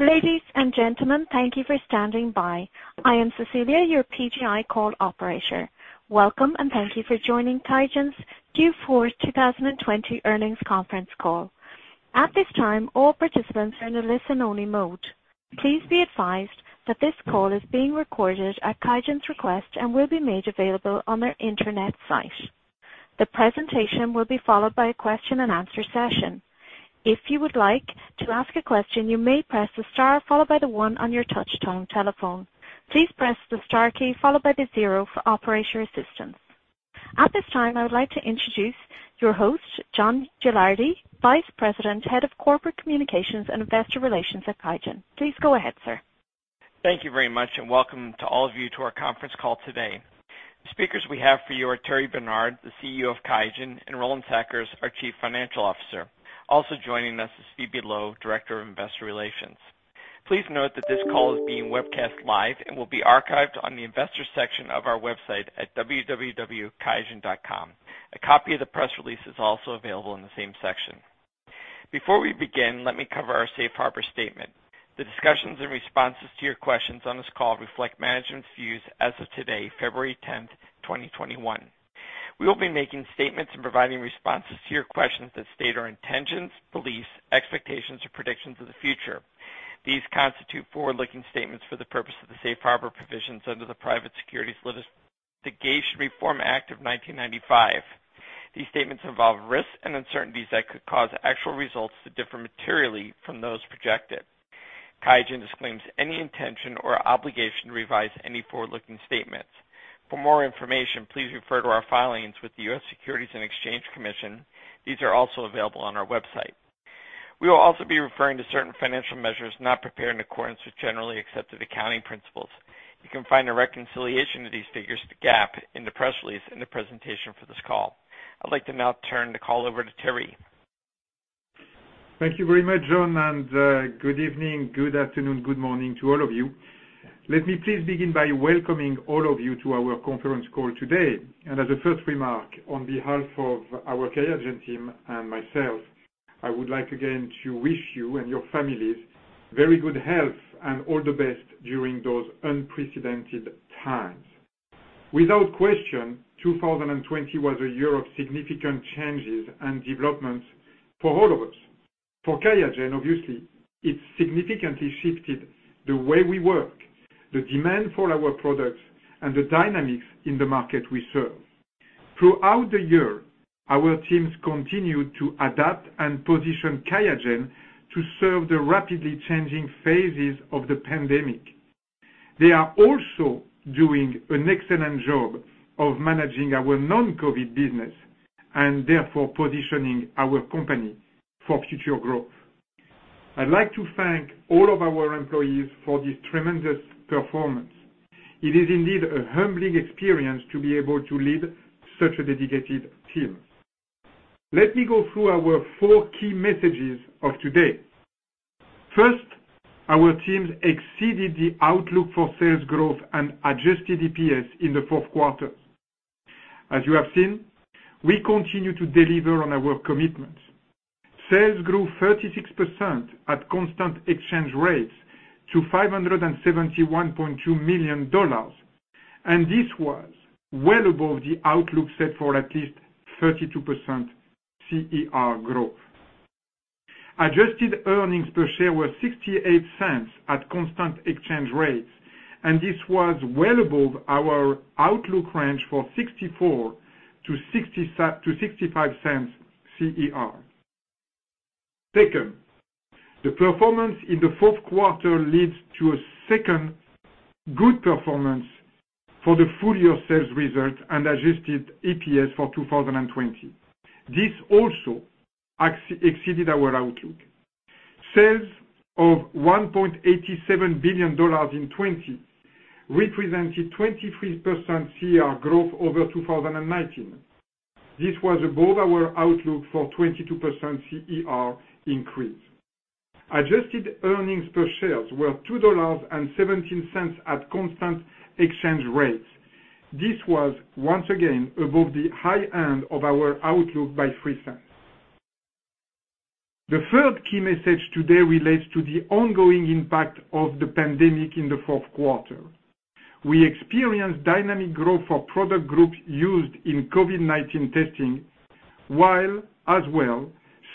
Ladies and gentlemen, thank you for standing by. I am Cecilia, your PGi call operator. Welcome, and thank you for joining QIAGEN's Q4 2020 earnings conference call. At this time, all participants are in a listen-only mode. Please be advised that this call is being recorded at QIAGEN's request and will be made available on their intranet site. The presentation will be followed by a Q&A session. If you would like to ask a question, you may press the star followed by the one on your touch-tone telephone. Please press the star key followed by the zero for operator assistance. At this time, I would like to introduce your host, John Gilardi, Vice President, Head of Corporate Communications and Investor Relations at QIAGEN. Please go ahead, sir. Thank you very much, and welcome to all of you to our conference call today. The speakers we have for you are Thierry Bernard, the CEO of QIAGEN, and Roland Sackers, our Chief Financial Officer. Also joining us is Phoebe Loh, Director of Investor Relations. Please note that this call is being webcast live and will be archived on the investor section of our website at www.qiagen.com. A copy of the press release is also available in the same section. Before we begin, let me cover our Safe Harbor Statement. The discussions and responses to your questions on this call reflect management's views as of today, February 10th, 2021. We will be making statements and providing responses to your questions that state our intentions, beliefs, expectations, or predictions of the future. These constitute forward-looking statements for the purpose of the Safe Harbor provisions under the Private Securities Litigation Reform Act of 1995. These statements involve risks and uncertainties that could cause actual results to differ materially from those projected. QIAGEN disclaims any intention or obligation to revise any forward-looking statements. For more information, please refer to our filings with the U.S. Securities and Exchange Commission. These are also available on our website. We will also be referring to certain financial measures not prepared in accordance with generally accepted accounting principles. You can find a reconciliation of these figures to GAAP in the press release and the presentation for this call. I'd like to now turn the call over to Thierry. Thank you very much, John, and good evening, good afternoon, good morning to all of you. Let me please begin by welcoming all of you to our conference call today. And as a first remark, on behalf of our QIAGEN team and myself, I would like again to wish you and your families very good health and all the best during those unprecedented times. Without question, 2020 was a year of significant changes and developments for all of us. For QIAGEN, obviously, it significantly shifted the way we work, the demand for our products, and the dynamics in the market we serve. Throughout the year, our teams continued to adapt and position QIAGEN to serve the rapidly changing phases of the pandemic. They are also doing an excellent job of managing our non-COVID business and therefore positioning our company for future growth. I'd like to thank all of our employees for this tremendous performance. It is indeed a humbling experience to be able to lead such a dedicated team. Let me go through our four key messages of today. First, our teams exceeded the outlook for sales growth and adjusted EPS in the fourth quarter. As you have seen, we continue to deliver on our commitments. Sales grew 36% at constant exchange rates to $571.2 million, and this was well above the outlook set for at least 32% CER growth. Adjusted earnings per share were $0.68 at constant exchange rates, and this was well above our outlook range for $0.64-$0.65 CER. Second, the performance in the fourth quarter led to a second good performance for the full year sales result and adjusted EPS for 2020. This also exceeded our outlook. Sales of $1.87 billion in 2020 represented 23% CER growth over 2019. This was above our outlook for 22% CER increase. Adjusted earnings per share were $2.17 at constant exchange rates. This was, once again, above the high end of our outlook by $0.03. The third key message today relates to the ongoing impact of the pandemic in the fourth quarter. We experienced dynamic growth for product groups used in COVID-19 testing, while as well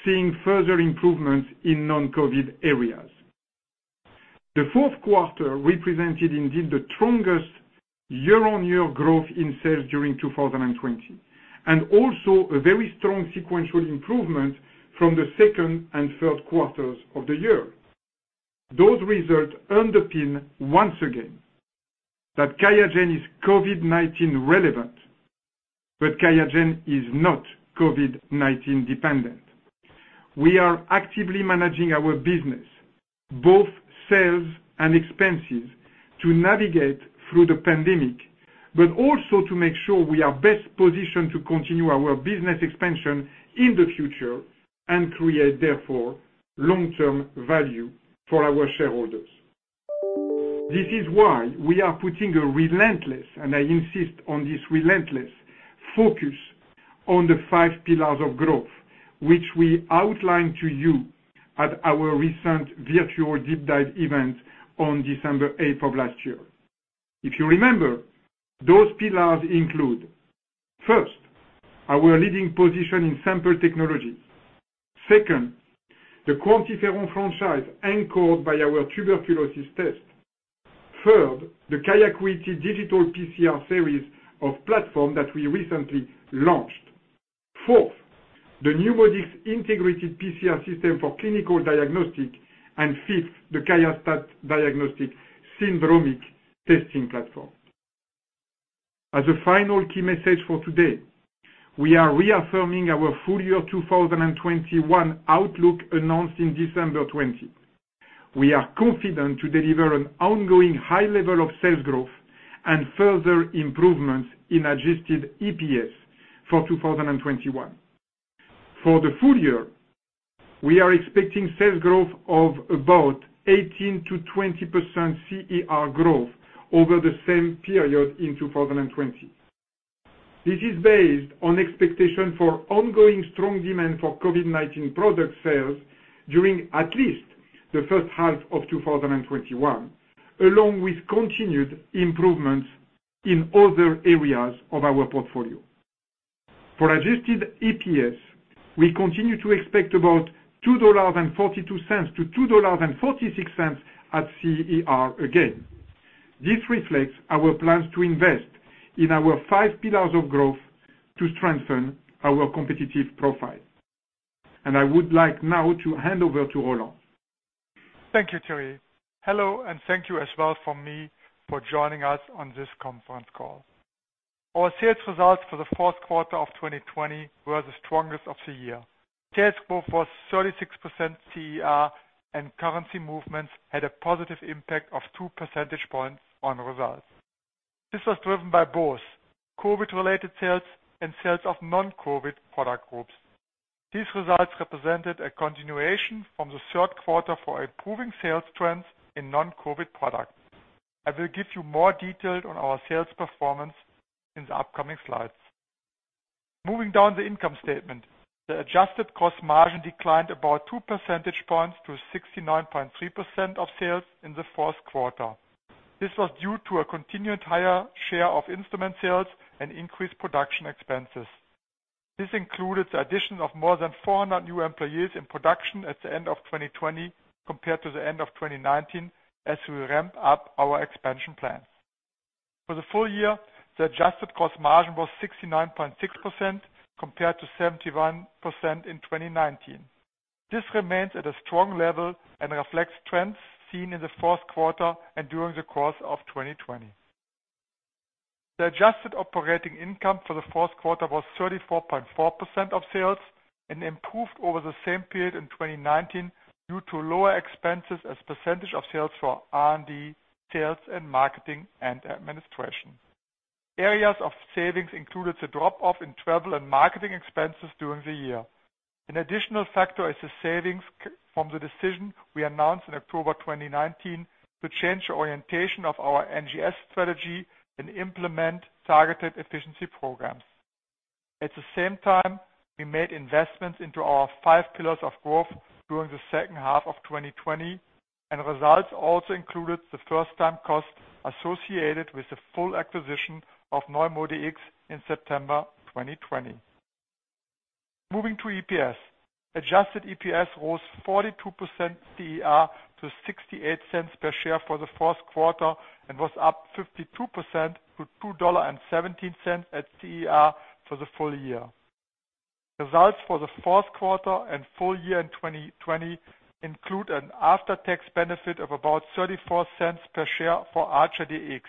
seeing further improvements in non-COVID areas. The fourth quarter represented indeed the strongest year-on-year growth in sales during 2020, and also a very strong sequential improvement from the second and third quarters of the year. Those results underpin, once again, that QIAGEN is COVID-19 relevant, but QIAGEN is not COVID-19 dependent. We are actively managing our business, both sales and expenses, to navigate through the pandemic, but also to make sure we are best positioned to continue our business expansion in the future and create, therefore, long-term value for our shareholders. This is why we are putting a relentless, and I insist on this relentless, focus on the five pillars of growth, which we outlined to you at our recent virtual deep dive event on December 8th of last year. If you remember, those pillars include: first, our leading position in sample technologies; second, the QuantiFERON franchise anchored by our tuberculosis test; third, the QIAcuity digital PCR series of platforms that we recently launched; fourth, the NeuMoDx integrated PCR system for clinical diagnostics; and fifth, the QIAstat-Dx diagnostic syndromic testing platform. As a final key message for today, we are reaffirming our full year 2021 outlook announced in December 20. We are confident to deliver an ongoing high level of sales growth and further improvements in adjusted EPS for 2021. For the full year, we are expecting sales growth of about 18%-20% CER growth over the same period in 2020. This is based on expectations for ongoing strong demand for COVID-19 product sales during at least the first half of 2021, along with continued improvements in other areas of our portfolio. For adjusted EPS, we continue to expect about $2.42-$2.46 at CER again. This reflects our plans to invest in our five pillars of growth to strengthen our competitive profile, and I would like now to hand over to Roland. Thank you, Thierry. Hello, and thank you as well from me for joining us on this conference call. Our sales results for the fourth quarter of 2020 were the strongest of the year. Sales growth was 36% CER, and currency movements had a positive impact of two percentage points on results. This was driven by both COVID-related sales and sales of non-COVID product groups. These results represented a continuation from the third quarter for improving sales trends in non-COVID products. I will give you more detail on our sales performance in the upcoming slides. Moving down the income statement, the adjusted gross margin declined about two percentage points to 69.3% of sales in the fourth quarter. This was due to a continued higher share of instrument sales and increased production expenses. This included the addition of more than 400 new employees in production at the end of 2020 compared to the end of 2019 as we ramp up our expansion plans. For the full year, the adjusted cost margin was 69.6% compared to 71% in 2019. This remains at a strong level and reflects trends seen in the fourth quarter and during the course of 2020. The adjusted operating income for the fourth quarter was 34.4% of sales and improved over the same period in 2019 due to lower expenses as percentage of sales for R&D, sales, and marketing and administration. Areas of savings included the drop-off in travel and marketing expenses during the year. An additional factor is the savings from the decision we announced in October 2019 to change the orientation of our NGS strategy and implement targeted efficiency programs. At the same time, we made investments into our five pillars of growth during the second half of 2020, and results also included the first-time cost associated with the full acquisition of NeuMoDx in September 2020. Moving to EPS, adjusted EPS rose 42% CER to $0.68 per share for the fourth quarter and was up 52% to $2.17 at CER for the full year. Results for the fourth quarter and full year in 2020 include an after-tax benefit of about $0.34 per share for ArcherDX.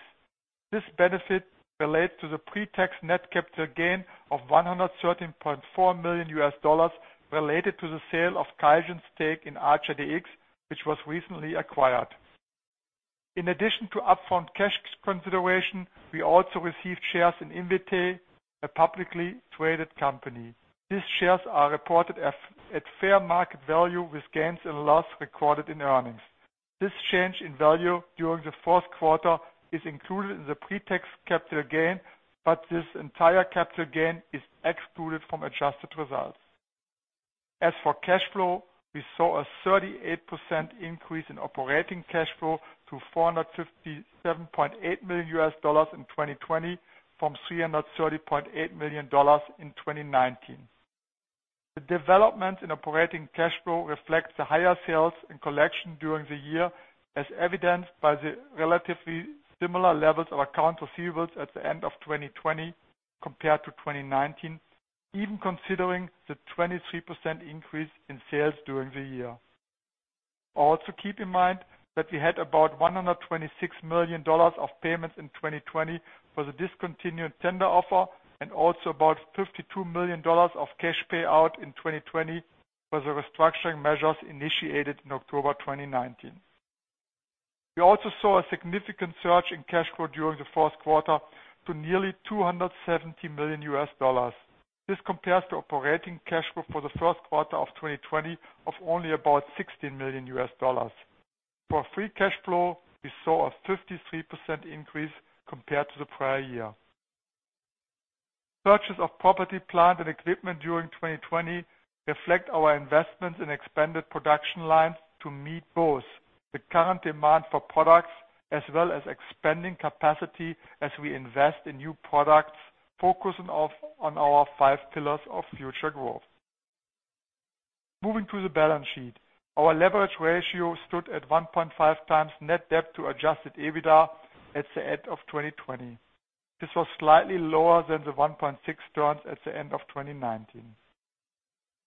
This benefit relates to the pre-tax net capital gain of $113.4 million related to the sale of QIAGEN's stake in ArcherDX, which was recently acquired. In addition to upfront cash consideration, we also received shares in Invitae, a publicly traded company. These shares are reported at fair market value with gains and loss recorded in earnings. This change in value during the fourth quarter is included in the pre-tax capital gain, but this entire capital gain is excluded from adjusted results. As for cash flow, we saw a 38% increase in operating cash flow to $457.8 million in 2020 from $330.8 million in 2019. The developments in operating cash flow reflect the higher sales and collections during the year, as evidenced by the relatively similar levels of accounts receivable at the end of 2020 compared to 2019, even considering the 23% increase in sales during the year. Also, keep in mind that we had about $126 million of payments in 2020 for the discontinued tender offer and also about $52 million of cash payout in 2020 for the restructuring measures initiated in October 2019. We also saw a significant surge in cash flow during the fourth quarter to nearly $270 million. This compares to operating cash flow for the first quarter of 2020 of only about $16 million. For free cash flow, we saw a 53% increase compared to the prior year. Purchases of property, plant and equipment during 2020 reflect our investments in expanded production lines to meet both the current demand for products as well as expanding capacity as we invest in new products focusing on our five pillars of future growth. Moving to the balance sheet, our leverage ratio stood at 1.5 times net debt to adjusted EBITDA at the end of 2020. This was slightly lower than the 1.6 turns at the end of 2019.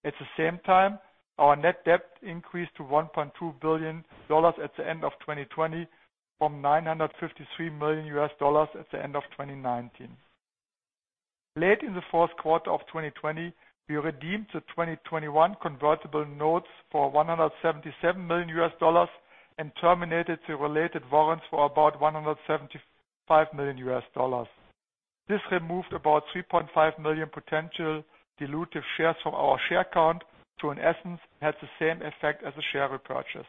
At the same time, our net debt increased to $1.2 billion at the end of 2020 from $953 million at the end of 2019. Late in the fourth quarter of 2020, we redeemed the 2021 convertible notes for $177 million and terminated the related warrants for about $175 million. This removed about 3.5 million potential dilutive shares from our share count to, in essence, had the same effect as the share repurchase.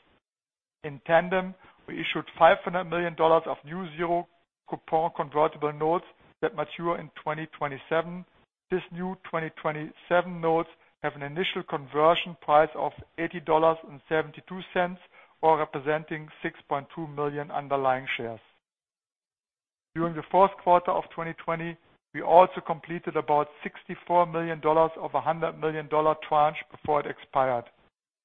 In tandem, we issued $500 million of new zero-coupon convertible notes that mature in 2027. These new 2027 notes have an initial conversion price of $80.72, or representing 6.2 million underlying shares. During the fourth quarter of 2020, we also completed about $64 million of a $100 million tranche before it expired.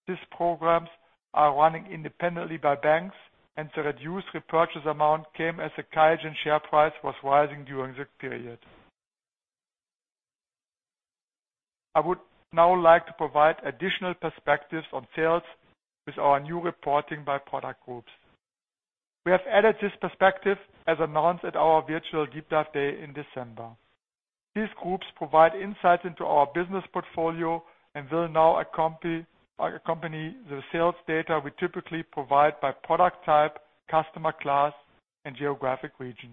These programs are running independently by banks, and the reduced repurchase amount came as the QIAGEN share price was rising during the period. I would now like to provide additional perspectives on sales with our new reporting by product groups. We have added this perspective as announced at our virtual deep dive day in December. These groups provide insights into our business portfolio and will now accompany the sales data we typically provide by product type, customer class, and geographic region.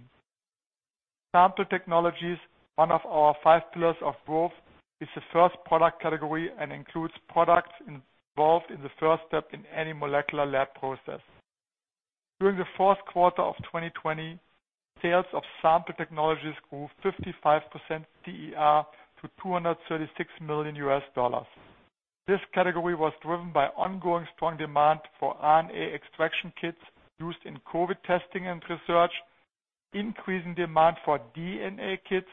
Sample technologies, one of our five pillars of growth, is the first product category and includes products involved in the first step in any molecular lab process. During the fourth quarter of 2020, sales of sample technologies grew 55% CER to $236 million. This category was driven by ongoing strong demand for RNA extraction kits used in COVID testing and research, increasing demand for DNA kits,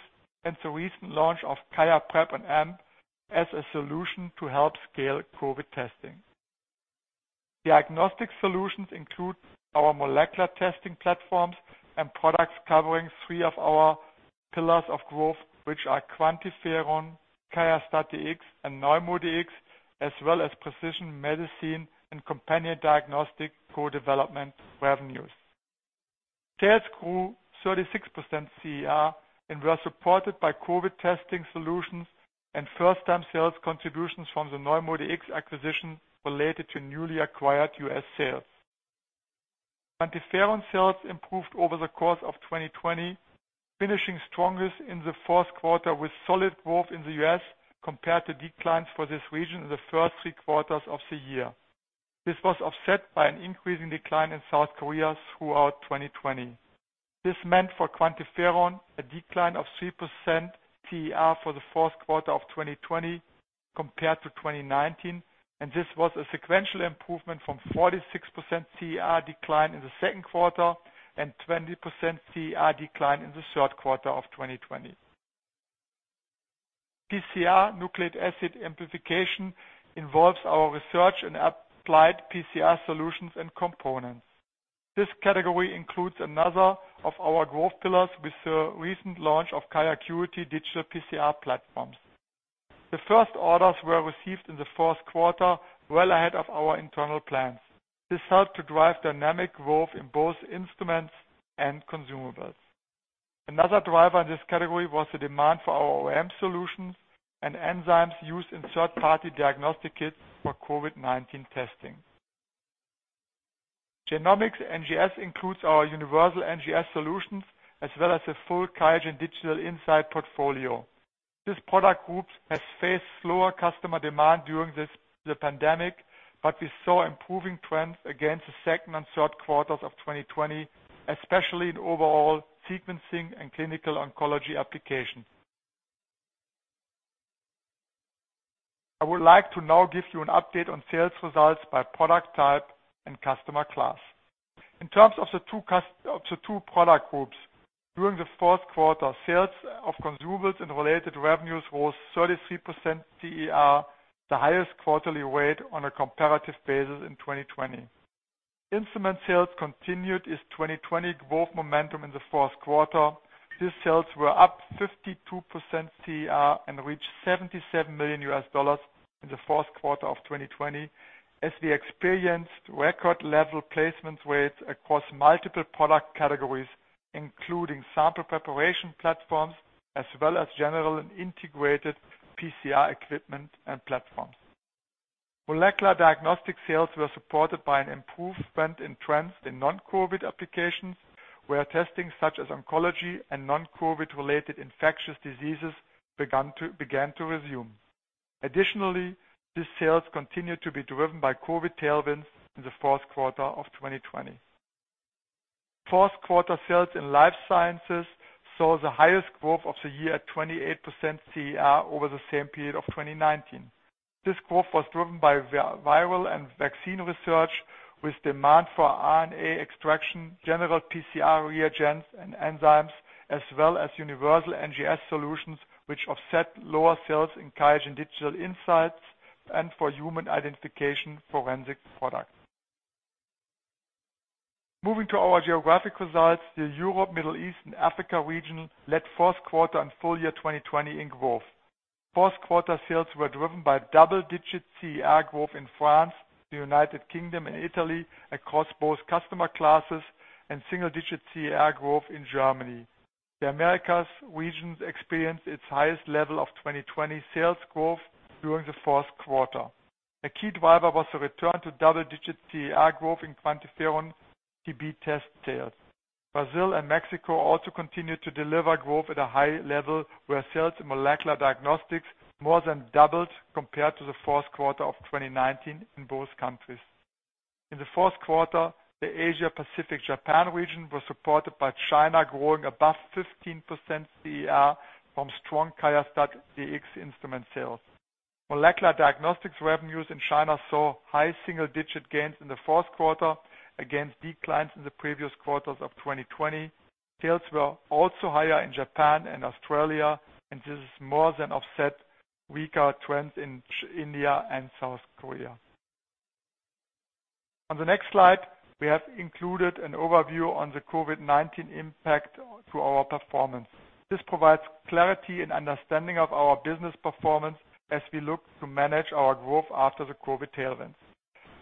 and the recent launch of QIAprep&amp as a solution to help scale COVID testing. Diagnostic solutions include our molecular testing platforms and products covering three of our pillars of growth, which are QuantiFERON, QIAstat-Dx, and NeuMoDx, as well as precision medicine and companion diagnostic co-development revenues. Sales grew 36% CER and were supported by COVID testing solutions and first-time sales contributions from the NeuMoDx acquisition related to newly acquired U.S. sales. QuantiFERON sales improved over the course of 2020, finishing strongest in the fourth quarter with solid growth in the U.S. compared to declines for this region in the first three quarters of the year. This was offset by an increasing decline in South Korea throughout 2020. This meant for QuantiFERON a decline of 3% CER for the fourth quarter of 2020 compared to 2019, and this was a sequential improvement from 46% CER decline in the second quarter and 20% CER decline in the third quarter of 2020. PCR nucleic acid amplification involves our research and applied PCR solutions and components. This category includes another of our growth pillars with the recent launch of QIAcuity digital PCR platforms. The first orders were received in the fourth quarter well ahead of our internal plans. This helped to drive dynamic growth in both instruments and consumables. Another driver in this category was the demand for our OEM solutions and enzymes used in third-party diagnostic kits for COVID-19 testing. Genomics NGS includes our universal NGS solutions as well as a full QIAGEN Digital Insights portfolio. This product group has faced slower customer demand during the pandemic, but we saw improving trends against the second and third quarters of 2020, especially in overall sequencing and clinical oncology application. I would like to now give you an update on sales results by product type and customer class. In terms of the two product groups, during the fourth quarter, sales of consumables and related revenues rose 33% CER, the highest quarterly rate on a comparative basis in 2020. Instrument sales continued its 2020 growth momentum in the fourth quarter. These sales were up 52% CER and reached $77 million in the fourth quarter of 2020 as we experienced record-level placement rates across multiple product categories, including sample preparation platforms as well as general and integrated PCR equipment and platforms. Molecular diagnostic sales were supported by an improvement in trends in non-COVID applications where testing such as oncology and non-COVID-related infectious diseases began to resume. Additionally, these sales continued to be driven by COVID tailwinds in the fourth quarter of 2020. Fourth quarter sales in life sciences saw the highest growth of the year at 28% CER over the same period of 2019. This growth was driven by viral and vaccine research with demand for RNA extraction, general PCR reagents and enzymes, as well as universal NGS solutions, which offset lower sales in QIAGEN Digital Insights and for human identification forensic products. Moving to our geographic results, the Europe, Middle East, and Africa region led fourth quarter and full year 2020 in growth. Fourth quarter sales were driven by double-digit CER growth in France, the United Kingdom, and Italy across both customer classes, and single-digit CER growth in Germany. The Americas region experienced its highest level of 2020 sales growth during the fourth quarter. A key driver was the return to double-digit CER growth in QuantiFERON TB test sales. Brazil and Mexico also continued to deliver growth at a high level where sales in molecular diagnostics more than doubled compared to the fourth quarter of 2019 in both countries. In the fourth quarter, the Asia-Pacific-Japan region was supported by China growing above 15% CER from strong QIAstat-Dx instrument sales. Molecular diagnostics revenues in China saw high single-digit gains in the fourth quarter against declines in the previous quarters of 2020. Sales were also higher in Japan and Australia, and this is more than offset weaker trends in India and South Korea. On the next slide, we have included an overview on the COVID-19 impact to our performance. This provides clarity in understanding of our business performance as we look to manage our growth after the COVID tailwinds.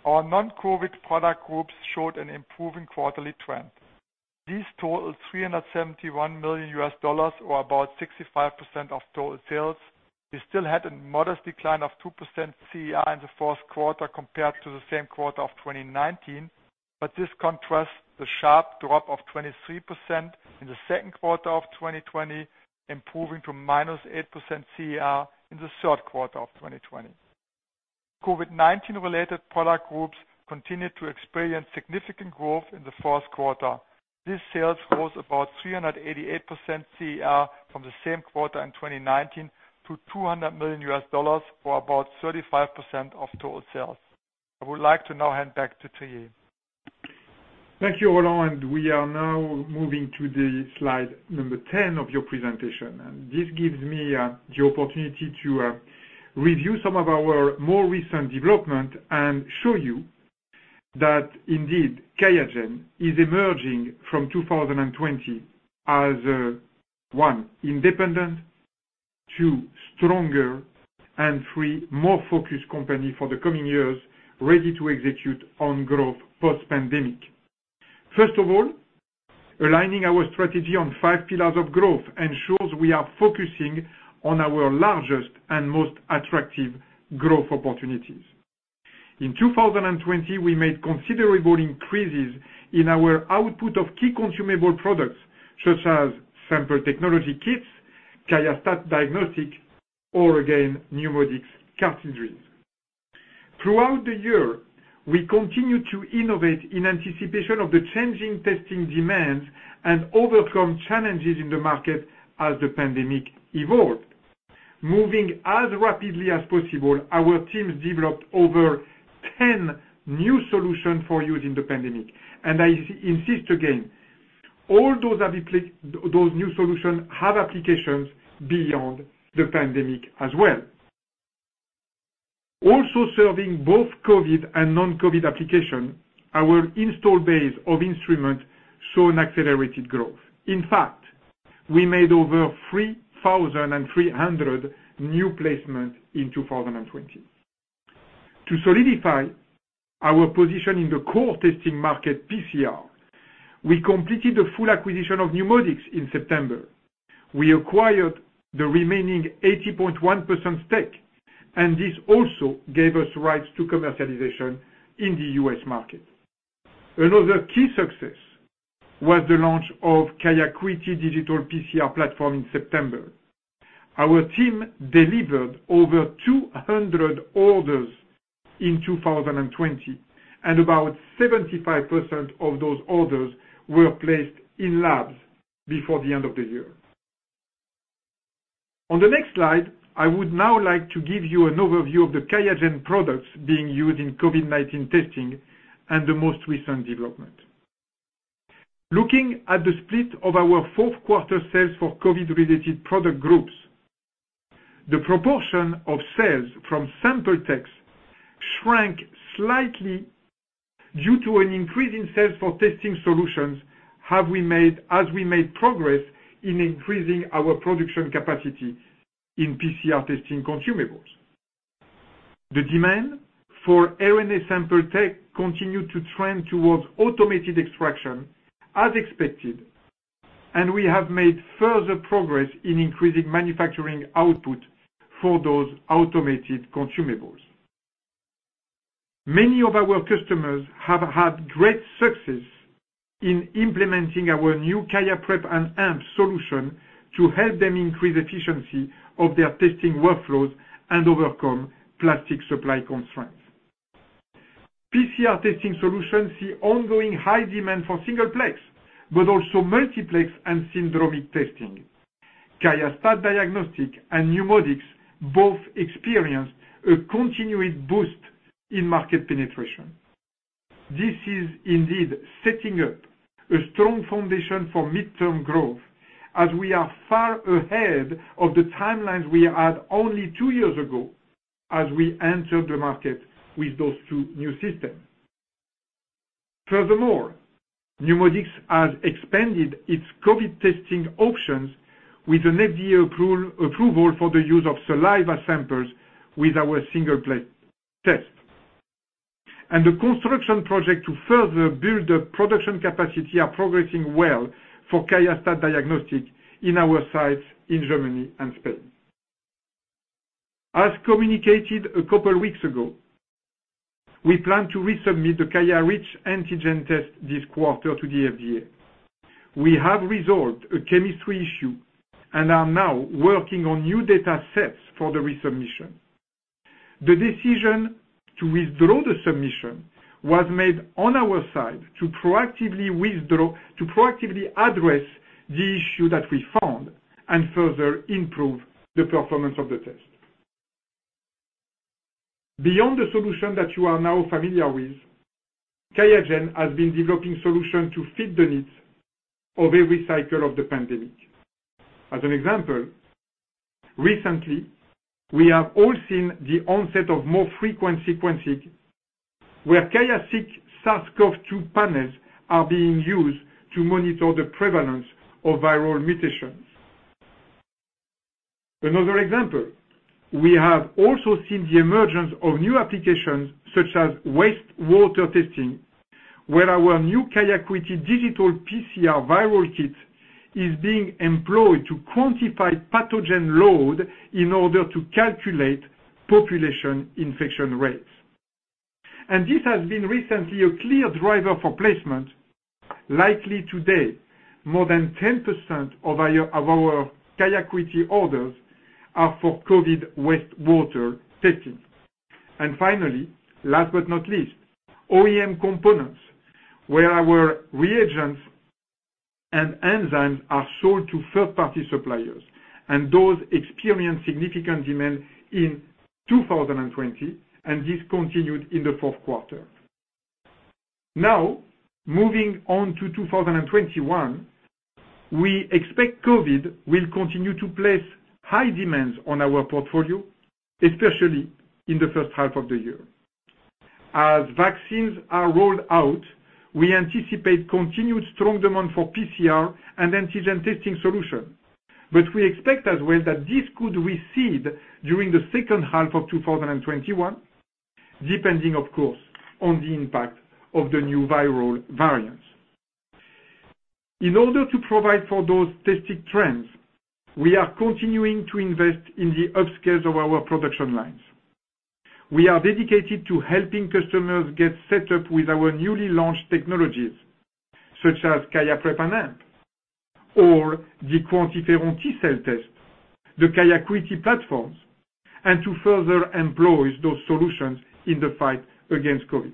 Our non-COVID product groups showed an improving quarterly trend. These totaled $371 million or about 65% of total sales. We still had a modest decline of 2% CER in the fourth quarter compared to the same quarter of 2019, but this contrasts the sharp drop of 23% in the second quarter of 2020, improving to minus 8% CER in the third quarter of 2020. COVID-19-related product groups continued to experience significant growth in the fourth quarter. These sales rose about 388% CER from the same quarter in 2019 to $200 million or about 35% of total sales. I would like to now hand back to Thierry. Thank you, Roland. We are now moving to the slide number 10 of your presentation. This gives me the opportunity to review some of our more recent developments and show you that indeed QIAGEN is emerging from 2020 as one independent, two stronger, and three more focused company for the coming years ready to execute on growth post-pandemic. First of all, aligning our strategy on five pillars of growth ensures we are focusing on our largest and most attractive growth opportunities. In 2020, we made considerable increases in our output of key consumable products such as sample technology kits, QIAstat diagnostics, or again, NeuMoDx cartridges. Throughout the year, we continue to innovate in anticipation of the changing testing demands and overcome challenges in the market as the pandemic evolved. Moving as rapidly as possible, our teams developed over 10 new solutions for use in the pandemic. I insist again, all those new solutions have applications beyond the pandemic as well. Also serving both COVID and non-COVID applications, our installed base of instruments saw an accelerated growth. In fact, we made over 3,300 new placements in 2020. To solidify our position in the core testing market PCR, we completed the full acquisition of NeuMoDx in September. We acquired the remaining 80.1% stake, and this also gave us rights to commercialization in the U.S. market. Another key success was the launch of QIAcuity digital PCR platform in September. Our team delivered over 200 orders in 2020, and about 75% of those orders were placed in labs before the end of the year. On the next slide, I would now like to give you an overview of the QIAGEN products being used in COVID-19 testing and the most recent development. Looking at the split of our fourth quarter sales for COVID-related product groups, the proportion of sales from sample techs shrank slightly due to an increase in sales for testing solutions as we made progress in increasing our production capacity in PCR testing consumables. The demand for RNA sample tech continued to trend towards automated extraction as expected, and we have made further progress in increasing manufacturing output for those automated consumables. Many of our customers have had great success in implementing our new QIAprep&amp solution to help them increase efficiency of their testing workflows and overcome plastic supply constraints. PCR testing solutions see ongoing high demand for singleplex, but also multiplex and syndromic testing. QIAstat-Dx and NeuMoDx both experienced a continued boost in market penetration. This is indeed setting up a strong foundation for midterm growth as we are far ahead of the timelines we had only two years ago as we entered the market with those two new systems. Furthermore, NeuMoDx has expanded its COVID testing options with an FDA approval for the use of saliva samples with our singleplex test. And the construction project to further build the production capacity is progressing well for QIAstat-Dx in our sites in Germany and Spain. As communicated a couple of weeks ago, we plan to resubmit the QIAreach antigen test this quarter to the FDA. We have resolved a chemistry issue and are now working on new data sets for the resubmission. The decision to withdraw the submission was made on our side to proactively address the issue that we found and further improve the performance of the test. Beyond the solution that you are now familiar with, QIAGEN has been developing solutions to fit the needs of every cycle of the pandemic. As an example, recently, we have all seen the onset of more frequent sequencing where QIAseq SARS-CoV-2 panels are being used to monitor the prevalence of viral mutations. Another example, we have also seen the emergence of new applications such as wastewater testing where our new QIAcuity digital PCR viral kit is being employed to quantify pathogen load in order to calculate population infection rates, and this has been recently a clear driver for placement. Likely today, more than 10% of our QIAcuity orders are for COVID wastewater testing, and finally, last but not least, OEM components where our reagents and enzymes are sold to third-party suppliers and those experienced significant demand in 2020, and this continued in the fourth quarter. Now, moving on to 2021, we expect COVID will continue to place high demands on our portfolio, especially in the first half of the year. As vaccines are rolled out, we anticipate continued strong demand for PCR and antigen testing solutions, but we expect as well that this could recede during the second half of 2021, depending, of course, on the impact of the new viral variants. In order to provide for those testing trends, we are continuing to invest in the upscaling of our production lines. We are dedicated to helping customers get set up with our newly launched technologies such as QIAprep and QIAamp or the QuantiFERON T-cell test, the QIAcuity platforms, and to further employ those solutions in the fight against COVID.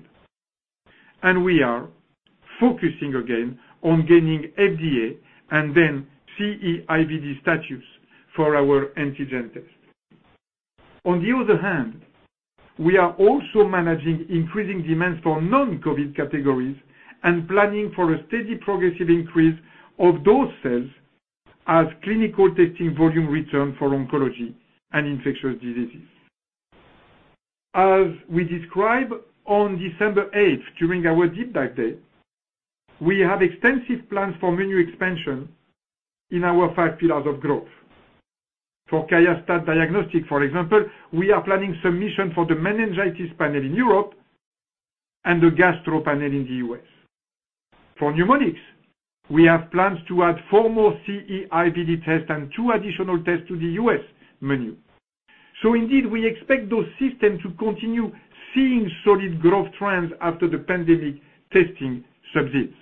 And we are focusing again on gaining FDA and then CE-IVD status for our antigen tests. On the other hand, we are also managing increasing demands for non-COVID categories and planning for a steady progressive increase of those sales as clinical testing volume returns for oncology and infectious diseases. As we described on December 8th during our deep dive day, we have extensive plans for menu expansion in our five pillars of growth. For QIAstat-Dx, for example, we are planning submission for the meningitis panel in Europe and the gastro panel in the US. For NeuMoDx, we have plans to add four more CE-IVD tests and two additional tests to the US menu. So indeed, we expect those systems to continue seeing solid growth trends after the pandemic testing subsides.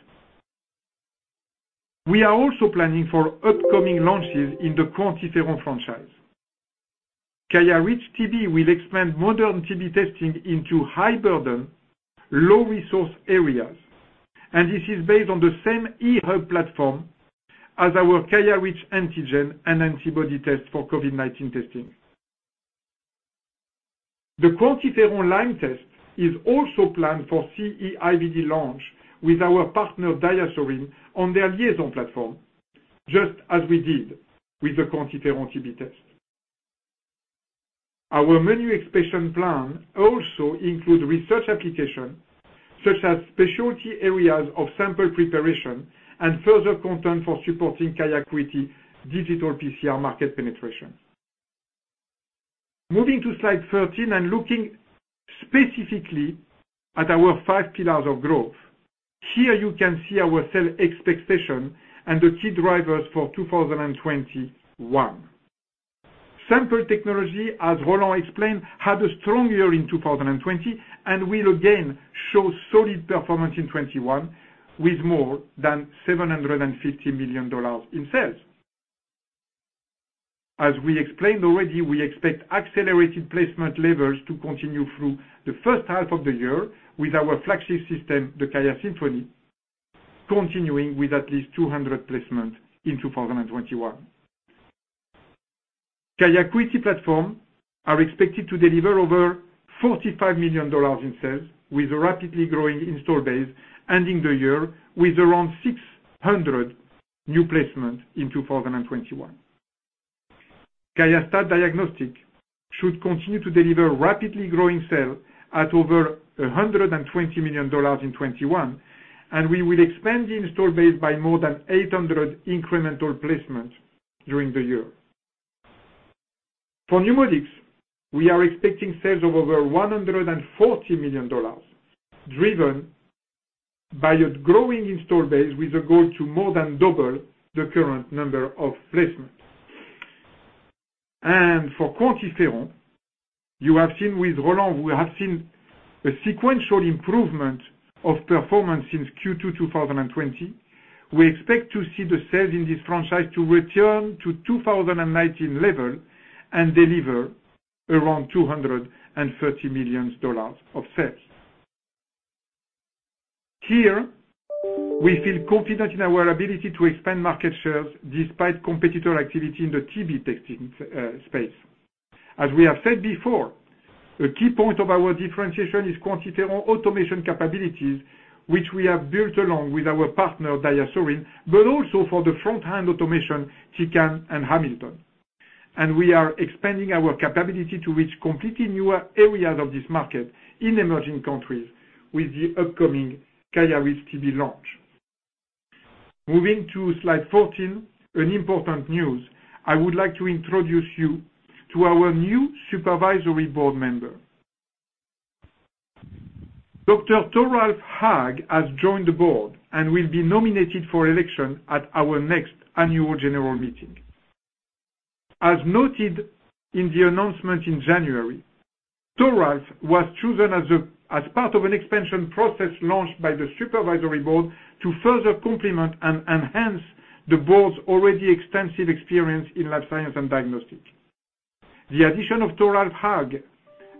We are also planning for upcoming launches in the QuantiFERON franchise. QIAreach TB will expand modern TB testing into high-burden, low-resource areas, and this is based on the same eHub platform as our QIAreach antigen and antibody test for COVID-19 testing. The QuantiFERON LIAISON test is also planned for CE-IVD launch with our partner DiaSorin on their LIAISON platform, just as we did with the QuantiFERON TB test. Our menu expansion plan also includes research applications such as specialty areas of sample preparation and further content for supporting QIAcuity digital PCR market penetration. Moving to slide 13 and looking specifically at our five pillars of growth, here you can see our sales expectations and the key drivers for 2021. Sample technology, as Roland explained, had a strong year in 2020 and will again show solid performance in 2021 with more than $750 million in sales. As we explained already, we expect accelerated placement levels to continue through the first half of the year with our flagship system, the QIAsymphony, continuing with at least 200 placements in 2021. QIAcuity platforms are expected to deliver over $45 million in sales with a rapidly growing install base ending the year with around 600 new placements in 2021. QIAstat-Dx should continue to deliver rapidly growing sales at over $120 million in 2021, and we will expand the install base by more than 800 incremental placements during the year. For NeuMoDx, we are expecting sales of over $140 million driven by a growing install base with a goal to more than double the current number of placements. For QuantiFERON, you have seen with Roland, we have seen a sequential improvement of performance since Q2 2020. We expect to see the sales in this franchise to return to 2019 level and deliver around $230 million of sales. Here, we feel confident in our ability to expand market shares despite competitor activity in the TB testing space. As we have said before, a key point of our differentiation is QuantiFERON automation capabilities, which we have built along with our partner DiaSorin, but also for the frontline automation, Tecan and Hamilton. We are expanding our capability to reach completely new areas of this market in emerging countries with the upcoming QIAreach TB launch. Moving to slide 14, an important news, I would like to introduce you to our new supervisory board member. Dr. Toralf Haag has joined the board and will be nominated for election at our next annual general meeting. As noted in the announcement in January, Toralf was chosen as part of an expansion process launched by the supervisory board to further complement and enhance the board's already extensive experience in life sciences and diagnostics. The addition of Toralf Haag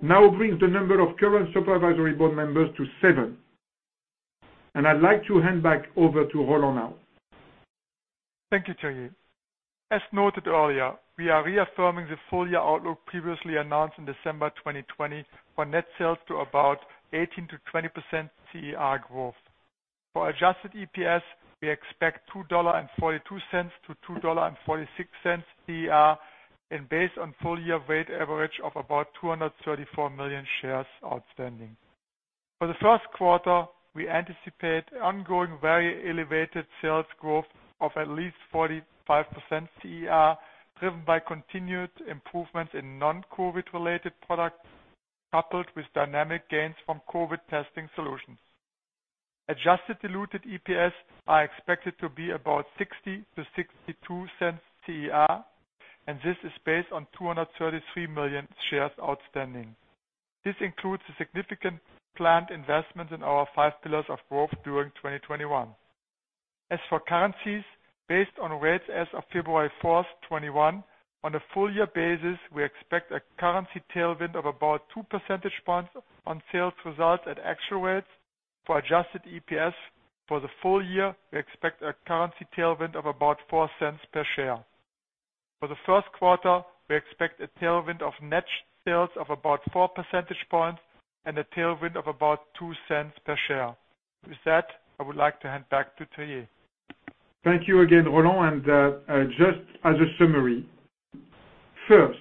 now brings the number of current supervisory board members to seven. I'd like to hand back over to Roland now. Thank you, Thierry. As noted earlier, we are reaffirming the four-year outlook previously announced in December 2020 for net sales to about 18%-20% CER growth. For adjusted EPS, we expect $2.42-$2.46 CER and based on full-year weighted average of about 234 million shares outstanding. For the first quarter, we anticipate ongoing very elevated sales growth of at least 45% CER driven by continued improvements in non-COVID-related products coupled with dynamic gains from COVID testing solutions. Adjusted diluted EPS are expected to be about 60%-62% CER, and this is based on 233 million shares outstanding. This includes the significant planned investments in our five pillars of growth during 2021. As for currencies, based on rates as of February 4th, 2021, on a full-year basis, we expect a currency tailwind of about 2 percentage points on sales results at actual rates. For adjusted EPS for the full year, we expect a currency tailwind of about $0.04 per share. For the first quarter, we expect a tailwind of net sales of about 4 percentage points and a tailwind of about $0.02 per share. With that, I would like to hand back to Thierry. Thank you again, Roland. And just as a summary, first,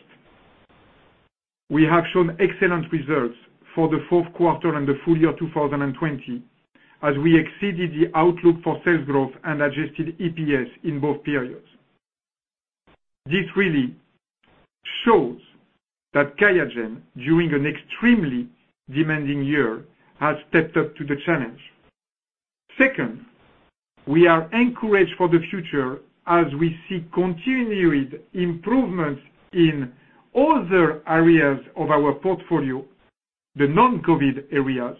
we have shown excellent results for the fourth quarter and the full year 2020 as we exceeded the outlook for sales growth and adjusted EPS in both periods. This really shows that QIAGEN, during an extremely demanding year, has stepped up to the challenge. Second, we are encouraged for the future as we see continued improvements in other areas of our portfolio, the non-COVID areas,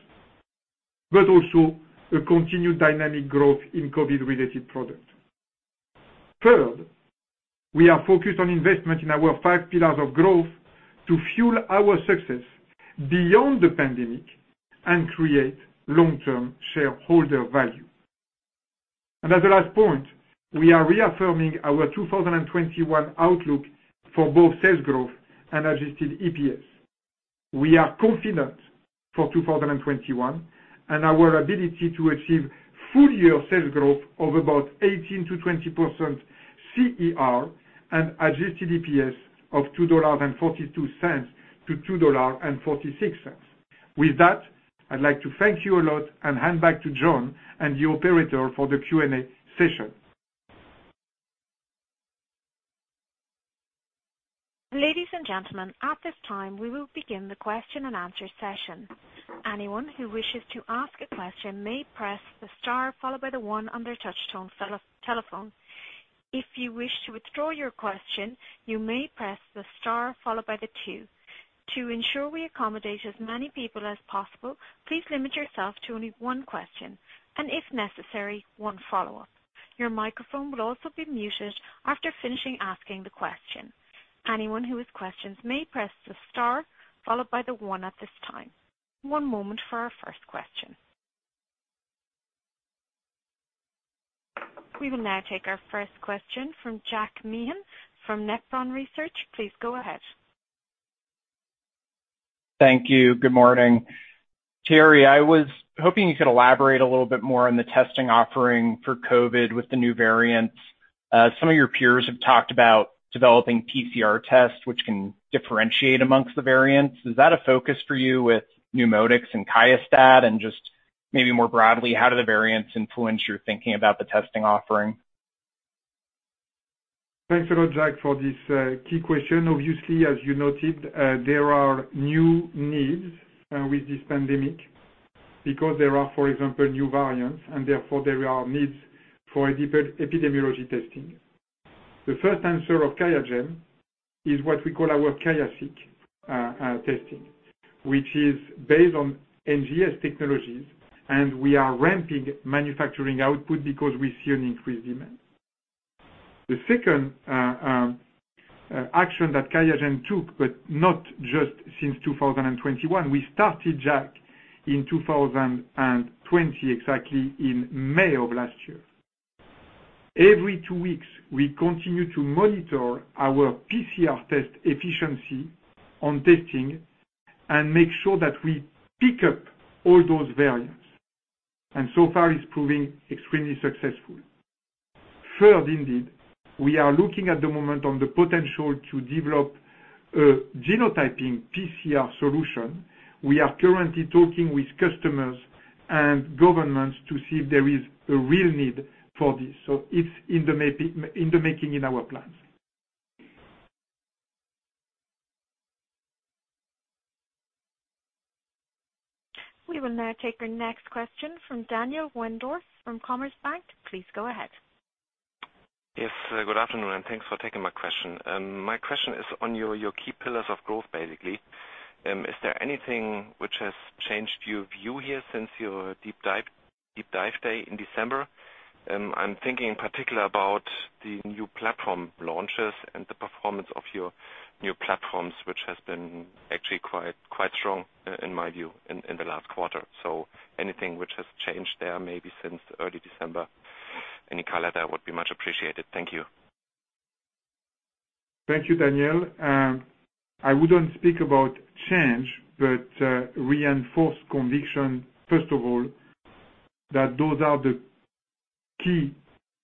but also a continued dynamic growth in COVID-related products. Third, we are focused on investment in our five pillars of growth to fuel our success beyond the pandemic and create long-term shareholder value. And as a last point, we are reaffirming our 2021 outlook for both sales growth and adjusted EPS. We are confident for 2021 and our ability to achieve full-year sales growth of about 18%-20% CER and adjusted EPS of $2.42-$2.46. With that, I'd like to thank you a lot and hand back to John and the operator for the Q&A session. Ladies and gentlemen, at this time, we will begin the question and answer session. Anyone who wishes to ask a question may press the star followed by the one on their touch-tone telephone. If you wish to withdraw your question, you may press the star followed by the two. To ensure we accommodate as many people as possible, please limit yourself to only one question and, if necessary, one follow-up. Your microphone will also be muted after finishing asking the question. Anyone who has questions may press the star followed by the one at this time. One moment for our first question. We will now take our first question from Jack Meehan from Nephron Research. Please go ahead. Thank you. Good morning. Thierry, I was hoping you could elaborate a little bit more on the testing offering for COVID with the new variants. Some of your peers have talked about developing PCR tests which can differentiate among the variants. Is that a focus for you with NeuMoDx and QIAstat and just maybe more broadly, how do the variants influence your thinking about the testing offering? Thanks a lot, Jack, for this key question. Obviously, as you noted, there are new needs with this pandemic because there are, for example, new variants and therefore there are needs for epidemiology testing. The first answer of QIAGEN is what we call our QIAseq testing, which is based on NGS technologies, and we are ramping manufacturing output because we see an increased demand. The second action that QIAGEN took, but not just since 2021, we started, Jack, in 2020, exactly in May of last year. Every two weeks, we continue to monitor our PCR test efficiency on testing and make sure that we pick up all those variants, and so far, it's proving extremely successful. Third, indeed, we are looking at the moment on the potential to develop a genotyping PCR solution. We are currently talking with customers and governments to see if there is a real need for this. So it's in the making in our plans. We will now take our next question from Daniel Wendorff from Commerzbank. Please go ahead. Yes, good afternoon, and thanks for taking my question. My question is on your key pillars of growth, basically. Is there anything which has changed your view here since your deep dive day in December? I'm thinking in particular about the new platform launches and the performance of your new platforms, which has been actually quite strong, in my view, in the last quarter. So anything which has changed there maybe since early December? Any color there would be much appreciated. Thank you. Thank you, Daniel. I wouldn't speak about change, but reinforce conviction, first of all, that those are the key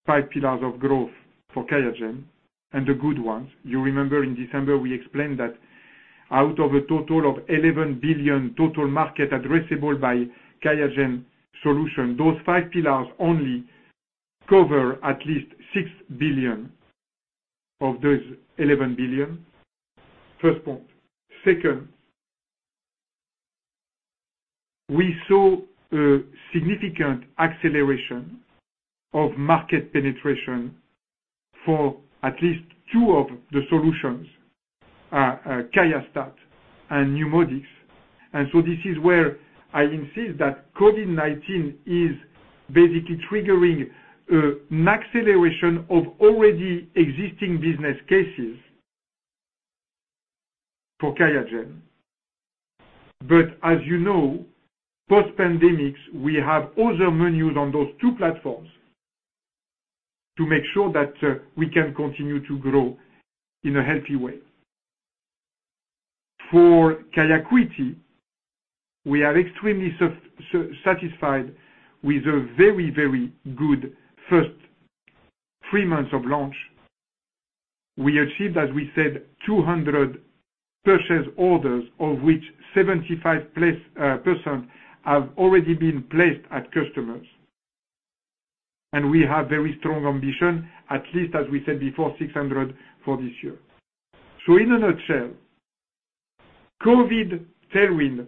five pillars of growth for QIAGEN and the good ones. You remember in December, we explained that out of a total of $11 billion total market addressable by QIAGEN solution, those five pillars only cover at least $6 billion of those $11 billion. First point. Second, we saw a significant acceleration of market penetration for at least two of the solutions, QIAstat and NeuMoDx, and so this is where I insist that COVID-19 is basically triggering an acceleration of already existing business cases for QIAGEN, but as you know, post-pandemic, we have other menus on those two platforms to make sure that we can continue to grow in a healthy way. For QIAcuity, we are extremely satisfied with a very, very good first three months of launch. We achieved, as we said, 200 purchase orders, of which 75% have already been placed at customers, and we have very strong ambition, at least, as we said before, 600 for this year, so in a nutshell, COVID tailwind,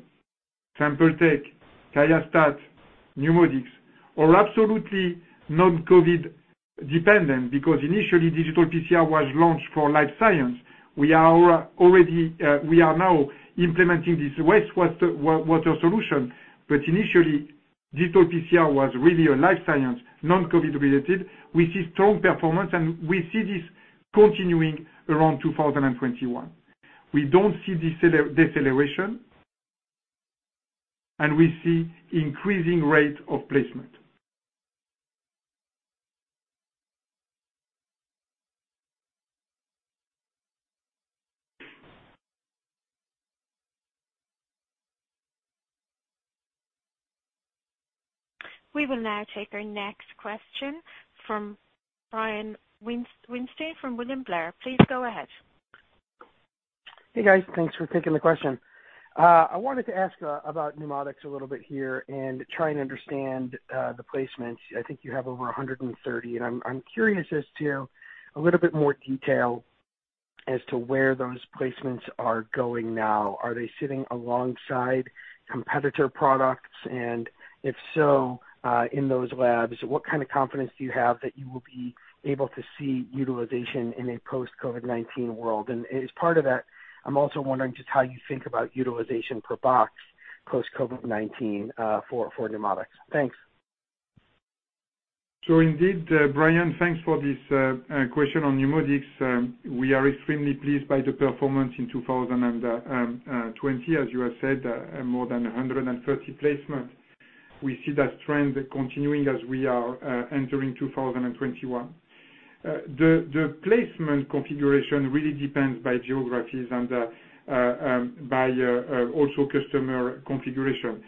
SampleTech, QIAseq, NeuMoDx, are absolutely non-COVID dependent because initially, digital PCR was launched for life science. We are now implementing this wastewater solution, but initially, digital PCR was really a life science, non-COVID related. We see strong performance, and we see this continuing around 2021. We don't see this deceleration, and we see increasing rate of placement. We will now take our next question from Brian Weinstein from William Blair. Please go ahead. Hey, guys. Thanks for taking the question. I wanted to ask about NeuMoDx a little bit here and try and understand the placements. I think you have over 130, and I'm curious as to a little bit more detail as to where those placements are going now. Are they sitting alongside competitor products? And if so, in those labs, what kind of confidence do you have that you will be able to see utilization in a post-COVID-19 world? And as part of that, I'm also wondering just how you think about utilization per box post-COVID-19 for QIAstat-Dx. Thanks. So indeed, Brian, thanks for this question on QIAstat-Dx. We are extremely pleased by the performance in 2020, as you have said, more than 130 placements. We see that trend continuing as we are entering 2021. The placement configuration really depends by geographies and by also customer configuration.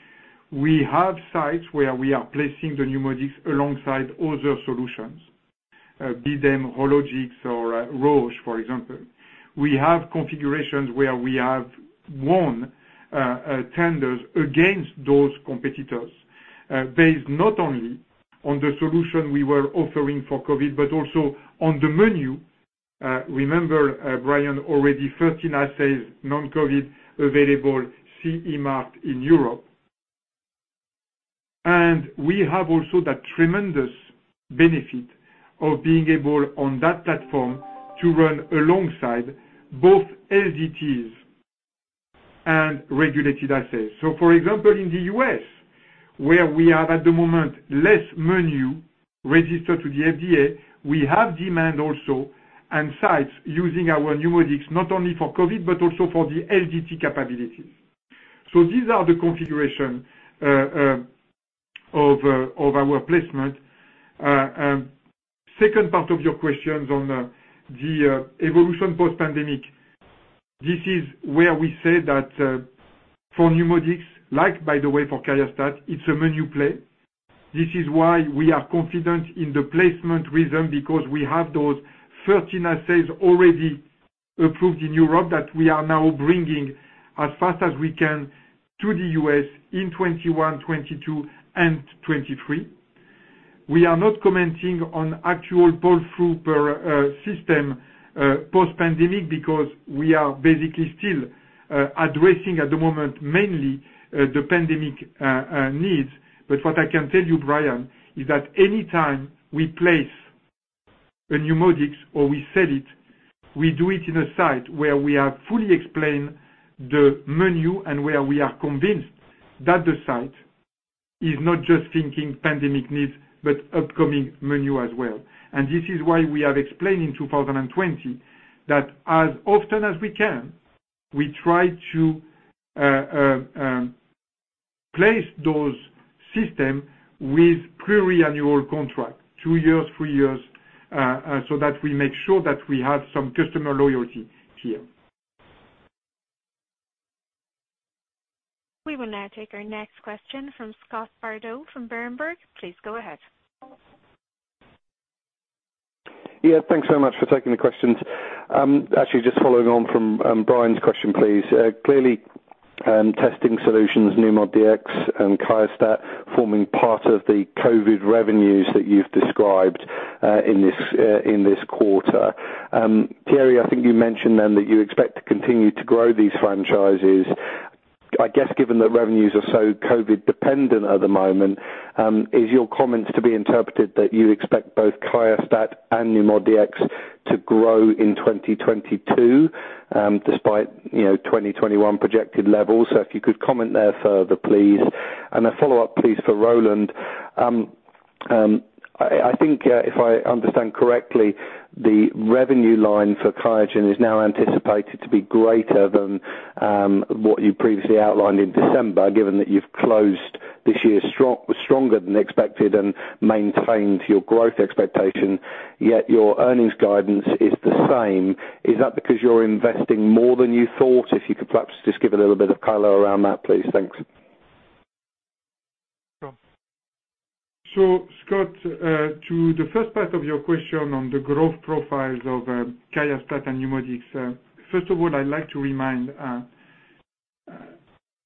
We have sites where we are placing the QIAstat-Dx alongside other solutions, be them Hologic or Roche, for example. We have configurations where we have won tenders against those competitors based not only on the solution we were offering for COVID but also on the menu. Remember, Brian, already 13 assays, non-COVID available, CE marked in Europe. We have also that tremendous benefit of being able on that platform to run alongside both LDTs and regulated assays. For example, in the U.S., where we have at the moment less menu registered to the FDA, we have demand also and sites using our NeuMoDx not only for COVID but also for the LDT capabilities. These are the configurations of our placement. Second part of your questions on the evolution post-pandemic, this is where we said that for NeuMoDx, like by the way for QIAstat, it's a menu play. This is why we are confident in the placement reason because we have those 13 assays already approved in Europe that we are now bringing as fast as we can to the U.S. in 2021, 2022, and 2023. We are not commenting on actual pull-through per system post-pandemic because we are basically still addressing at the moment mainly the pandemic needs. But what I can tell you, Brian, is that anytime we place a NeuMoDx or we sell it, we do it in a site where we have fully explained the menu and where we are convinced that the site is not just thinking pandemic needs but upcoming menu as well. And this is why we have explained in 2020 that as often as we can, we try to place those systems with pluriannual contract, two years, three years, so that we make sure that we have some customer loyalty here. We will now take our next question from Scott Bardo from Berenberg. Please go ahead. Yeah, thanks so much for taking the questions. Actually, just following on from Brian's question, please. Clearly, testing solutions, NeuMoDx, and QIAstat forming part of the COVID revenues that you've described in this quarter. Thierry, I think you mentioned then that you expect to continue to grow these franchises. I guess given that revenues are so COVID dependent at the moment, is your comments to be interpreted that you expect both QIAstat and NeuMoDx to grow in 2022 despite 2021 projected levels? So if you could comment there further, please. A follow-up, please, for Roland. I think if I understand correctly, the revenue line for QIAGEN is now anticipated to be greater than what you previously outlined in December, given that you've closed this year stronger than expected and maintained your growth expectation, yet your earnings guidance is the same. Is that because you're investing more than you thought? If you could perhaps just give a little bit of color around that, please. Thanks. Sure. So Scott, to the first part of your question on the growth profiles of QIAstat-Dx and NeuMoDx, first of all, I'd like to remind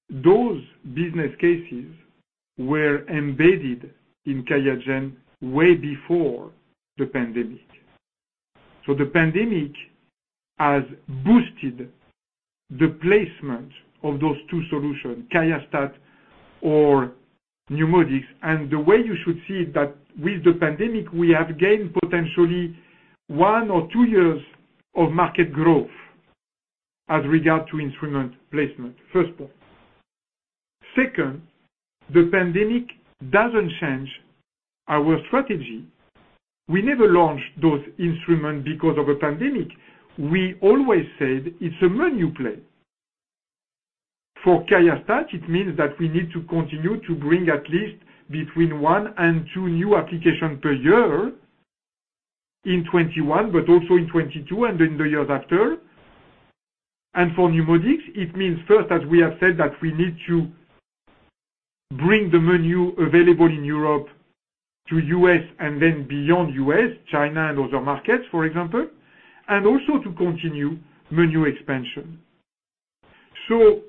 those business cases were embedded in QIAGEN way before the pandemic. So the pandemic has boosted the placement of those two solutions, QIAstat-Dx or NeuMoDx. And the way you should see it, that with the pandemic, we have gained potentially one or two years of market growth as regards to instrument placement. First point. Second, the pandemic doesn't change our strategy. We never launched those instruments because of a pandemic. We always said it's a menu play. For QIAstat-Dx, it means that we need to continue to bring at least between one and two new applications per year in 2021, but also in 2022 and in the years after. And for NeuMoDx, it means first, as we have said, that we need to bring the menu available in Europe to U.S. and then beyond U.S., China and other markets, for example, and also to continue menu expansion. So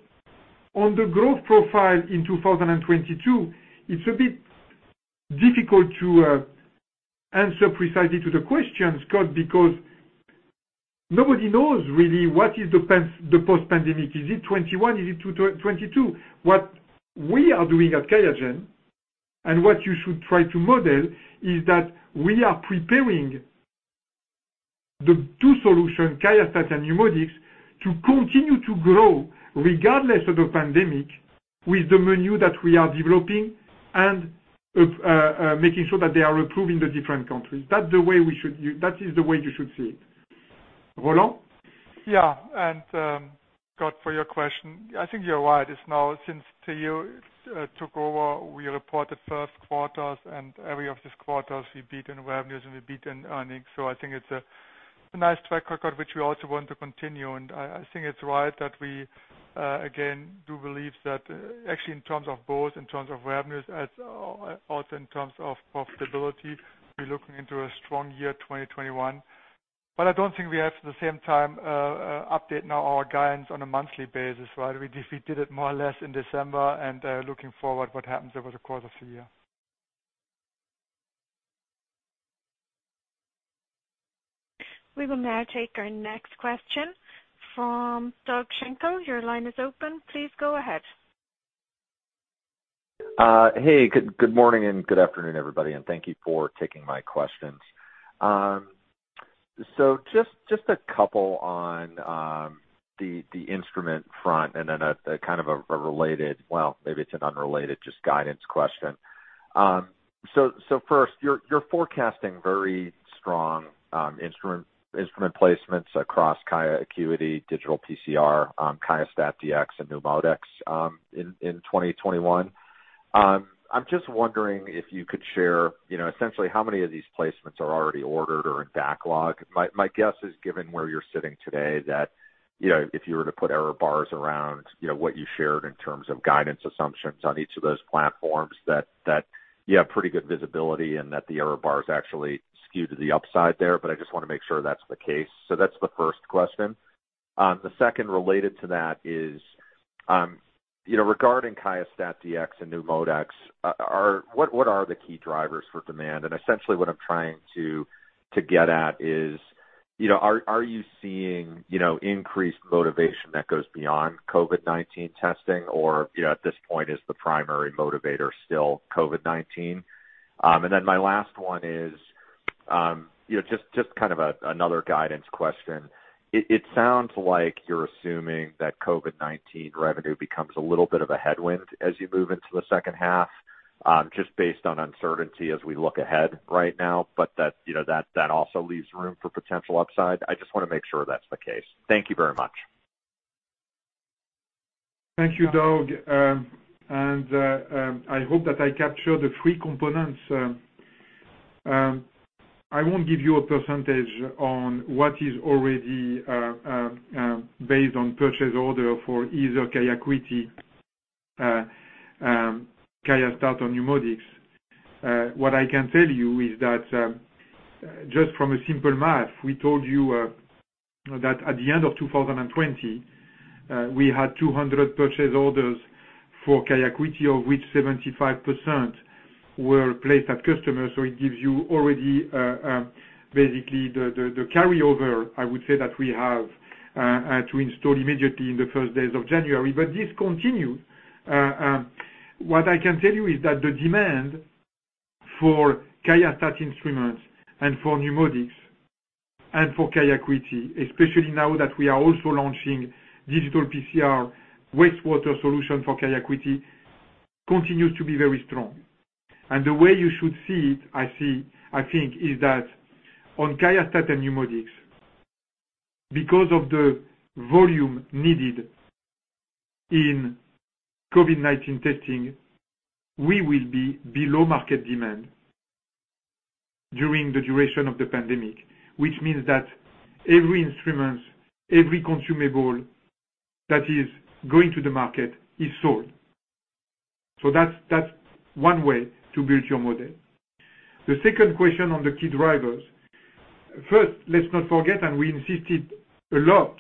on the growth profile in 2022, it's a bit difficult to answer precisely to the question, Scott, because nobody knows really what is the post-pandemic. Is it 2021? Is it 2022? What we are doing at QIAGEN and what you should try to model is that we are preparing the two solutions, QIAstat and NeuMoDx, to continue to grow regardless of the pandemic with the menu that we are developing and making sure that they are approved in the different countries. That's the way we should; that is the way you should see it. Roland? Yeah. And Scott, for your question, I think you're right. It's now since Thierry took over, we reported first quarters, and every of these quarters, we beat in revenues and we beat in earnings. So I think it's a nice track record, which we also want to continue. And I think it's right that we, again, do believe that actually in terms of both, in terms of revenues, also in terms of profitability, we're looking into a strong year 2021. But I don't think we have at the same time update now our guidance on a monthly basis, right? We did it more or less in December, and looking forward, what happens over the course of the year. We will now take our next question from Doug Schenkel. Your line is open. Please go ahead. Hey, good morning and good afternoon, everybody. And thank you for taking my questions. So just a couple on the instrument front and then a kind of a related, well, maybe it's an unrelated, just guidance question. So first, you're forecasting very strong instrument placements across QIAcuity, digital PCR, QIAstat-Dx, and NeuMoDx in 2021. I'm just wondering if you could share essentially how many of these placements are already ordered or in backlog. My guess is given where you're sitting today that if you were to put error bars around what you shared in terms of guidance assumptions on each of those platforms, that you have pretty good visibility and that the error bars actually skew to the upside there. But I just want to make sure that's the case. So that's the first question. The second related to that is regarding QIAstat-Dx and NeuMoDx, what are the key drivers for demand? And essentially what I'm trying to get at is, are you seeing increased motivation that goes beyond COVID-19 testing? Or at this point, is the primary motivator still COVID-19? And then my last one is just kind of another guidance question. It sounds like you're assuming that COVID-19 revenue becomes a little bit of a headwind as you move into the second half, just based on uncertainty as we look ahead right now, but that also leaves room for potential upside. I just want to make sure that's the case. Thank you very much. Thank you, Doug. And I hope that I captured the three components. I won't give you a percentage on what is already based on purchase order for either QIAcuity, QIAseq, or NeuMoDx. What I can tell you is that just from a simple math, we told you that at the end of 2020, we had 200 purchase orders for QIAcuity, of which 75% were placed at customers. So it gives you already basically the carryover, I would say, that we have to install immediately in the first days of January. But this continues. What I can tell you is that the demand for QIAsymphony instruments and for NeuMoDx and for QIAcuity, especially now that we are also launching Digital PCR wastewater solution for QIAcuity, continues to be very strong. And the way you should see it, I think, is that on QIAsymphony and NeuMoDx, because of the volume needed in COVID-19 testing, we will be below market demand during the duration of the pandemic, which means that every instrument, every consumable that is going to the market is sold. So that's one way to build your model. The second question on the key drivers. First, let's not forget, and we insisted a lot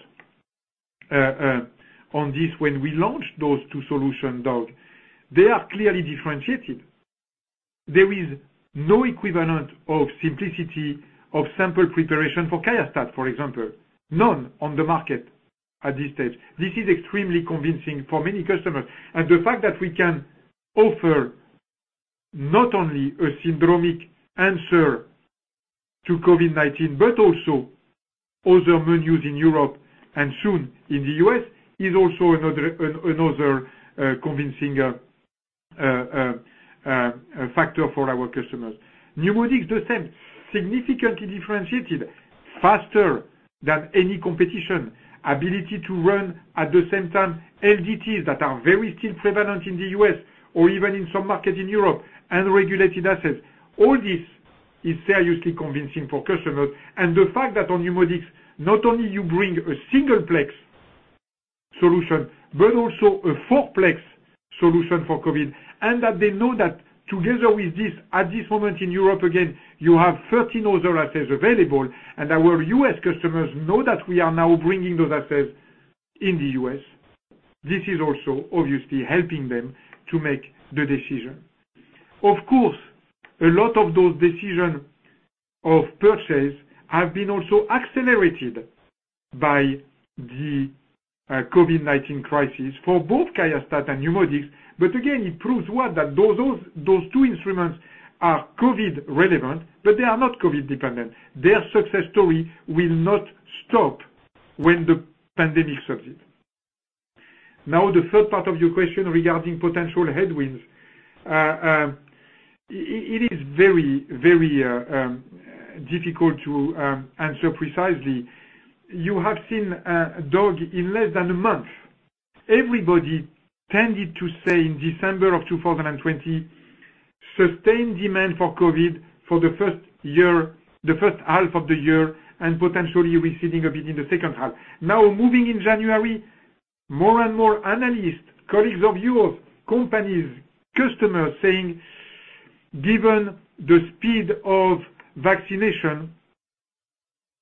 on this when we launched those two solutions, Doug, they are clearly differentiated. There is no equivalent of simplicity, of sample preparation for QIAsymphony, for example, none on the market at this stage. This is extremely convincing for many customers. The fact that we can offer not only a syndromic answer to COVID-19, but also other menus in Europe and soon in the U.S. is also another convincing factor for our customers. NeuMoDx does significantly differentiate faster than any competition, ability to run at the same time LDTs that are still very prevalent in the U.S. or even in some markets in Europe and regulated assays. All this is seriously convincing for customers. The fact that on NeuMoDx, not only you bring a singleplex solution, but also a four-plex solution for COVID, and that they know that together with this, at this moment in Europe, again, you have 13 other assays available, and our U.S. customers know that we are now bringing those assays in the U.S., this is also obviously helping them to make the decision. Of course, a lot of those decisions of purchase have been also accelerated by the COVID-19 crisis for both QIAstat and NeuMoDx. But again, it proves what? That those two instruments are COVID-relevant, but they are not COVID-dependent. Their success story will not stop when the pandemic subsides. Now, the third part of your question regarding potential headwinds, it is very, very difficult to answer precisely. You have seen, Doug, in less than a month, everybody tended to say in December of 2020, sustained demand for COVID for the first year, the first half of the year, and potentially receding a bit in the second half. Now, moving in January, more and more analysts, colleagues of yours, companies, customers saying, given the speed of vaccination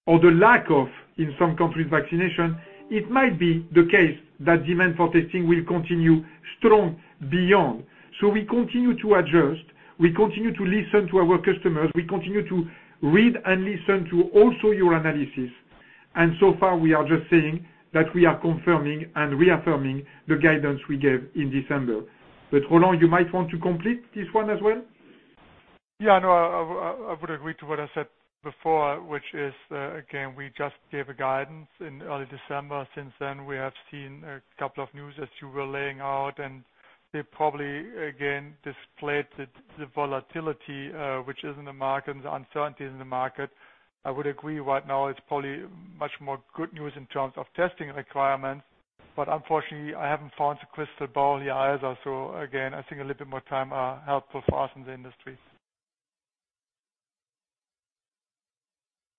or the lack of, in some countries, vaccination, it might be the case that demand for testing will continue strong beyond. So we continue to adjust. We continue to listen to our customers. We continue to read and listen to also your analysis. And so far, we are just saying that we are confirming and reaffirming the guidance we gave in December. But Roland, you might want to complete this one as well? Yeah. No, I would agree to what I said before, which is, again, we just gave a guidance in early December. Since then, we have seen a couple of news, as you were laying out, and they probably, again, displayed the volatility, which is in the market and the uncertainty in the market. I would agree right now it's probably much more good news in terms of testing requirements. But unfortunately, I haven't found a crystal ball here either. So again, I think a little bit more time are helpful for us in the industry.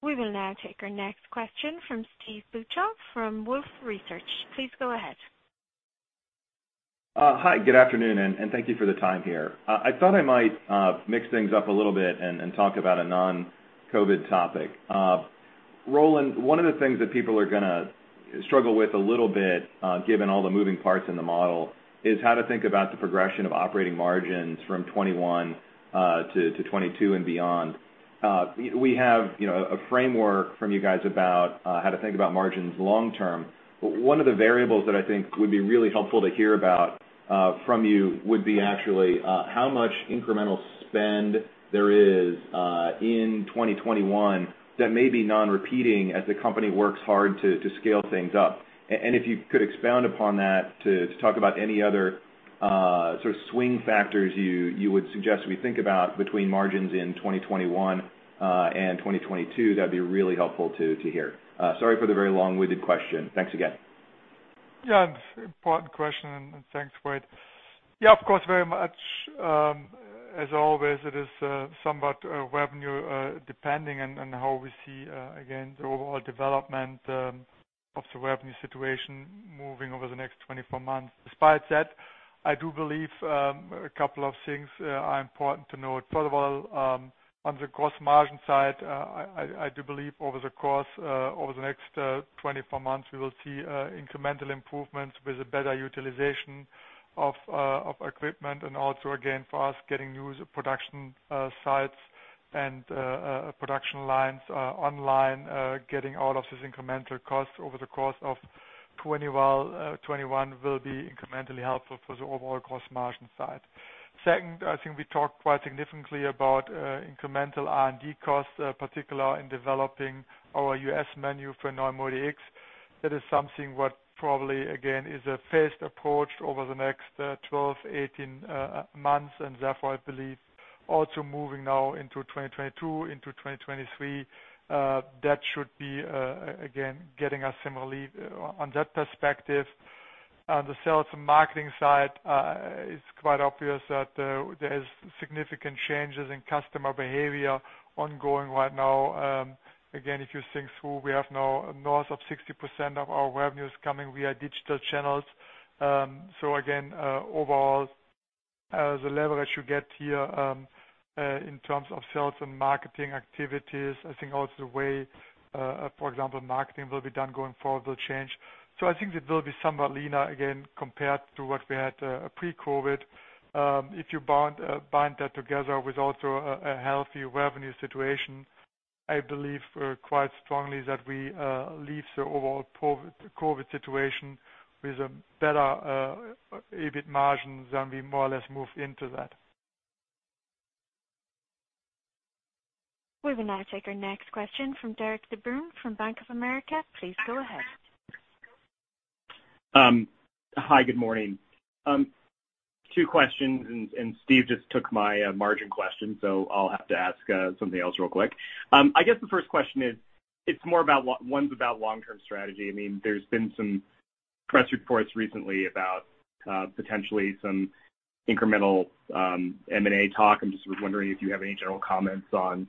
We will now take our next question from Steve Beuchaw from Wolfe Research. Please go ahead. Hi. Good afternoon, and thank you for the time here. I thought I might mix things up a little bit and talk about a non-COVID topic. Roland, one of the things that people are going to struggle with a little bit, given all the moving parts in the model, is how to think about the progression of operating margins from 2021 to 2022 and beyond. We have a framework from you guys about how to think about margins long term. One of the variables that I think would be really helpful to hear about from you would be actually how much incremental spend there is in 2021 that may be non-repeating as the company works hard to scale things up. And if you could expound upon that to talk about any other sort of swing factors you would suggest we think about between margins in 2021 and 2022, that'd be really helpful to hear. Sorry for the very long-winded question. Thanks again. Yeah. It's an important question. And thanks, Steve. Yeah, of course, very much. As always, it is somewhat revenue-depending and how we see, again, the overall development of the revenue situation moving over the next 24 months. Despite that, I do believe a couple of things are important to note. First of all, on the gross margin side, I do believe over the course of the next 24 months, we will see incremental improvements with a better utilization of equipment and also, again, for us, getting new production sites and production lines online. Getting all of these incremental costs over the course of 2021 will be incrementally helpful for the overall gross margin side. Second, I think we talked quite significantly about incremental R&D costs, particularly in developing our US menu for NeuMoDx. That is something what probably, again, is a phased approach over the next 12, 18 months. And therefore, I believe also moving now into 2022, into 2023, that should be, again, getting us some relief on that perspective. On the sales and marketing side, it's quite obvious that there are significant changes in customer behavior ongoing right now. Again, if you think through, we have now north of 60% of our revenues coming via digital channels. So again, overall, the leverage you get here in terms of sales and marketing activities, I think also the way, for example, marketing will be done going forward will change. So I think it will be somewhat leaner, again, compared to what we had pre-COVID. If you bind that together with also a healthy revenue situation, I believe quite strongly that we leave the overall COVID situation with a better EBIT margin than we more or less move into that. We will now take our next question from Derik de Bruin from Bank of America. Please go ahead. Hi. Good morning. Two questions. And Steve just took my margin question, so I'll have to ask something else real quick. I guess the first question is, it's more about one's about long-term strategy. I mean, there's been some press reports recently about potentially some incremental M&A talk. I'm just wondering if you have any general comments on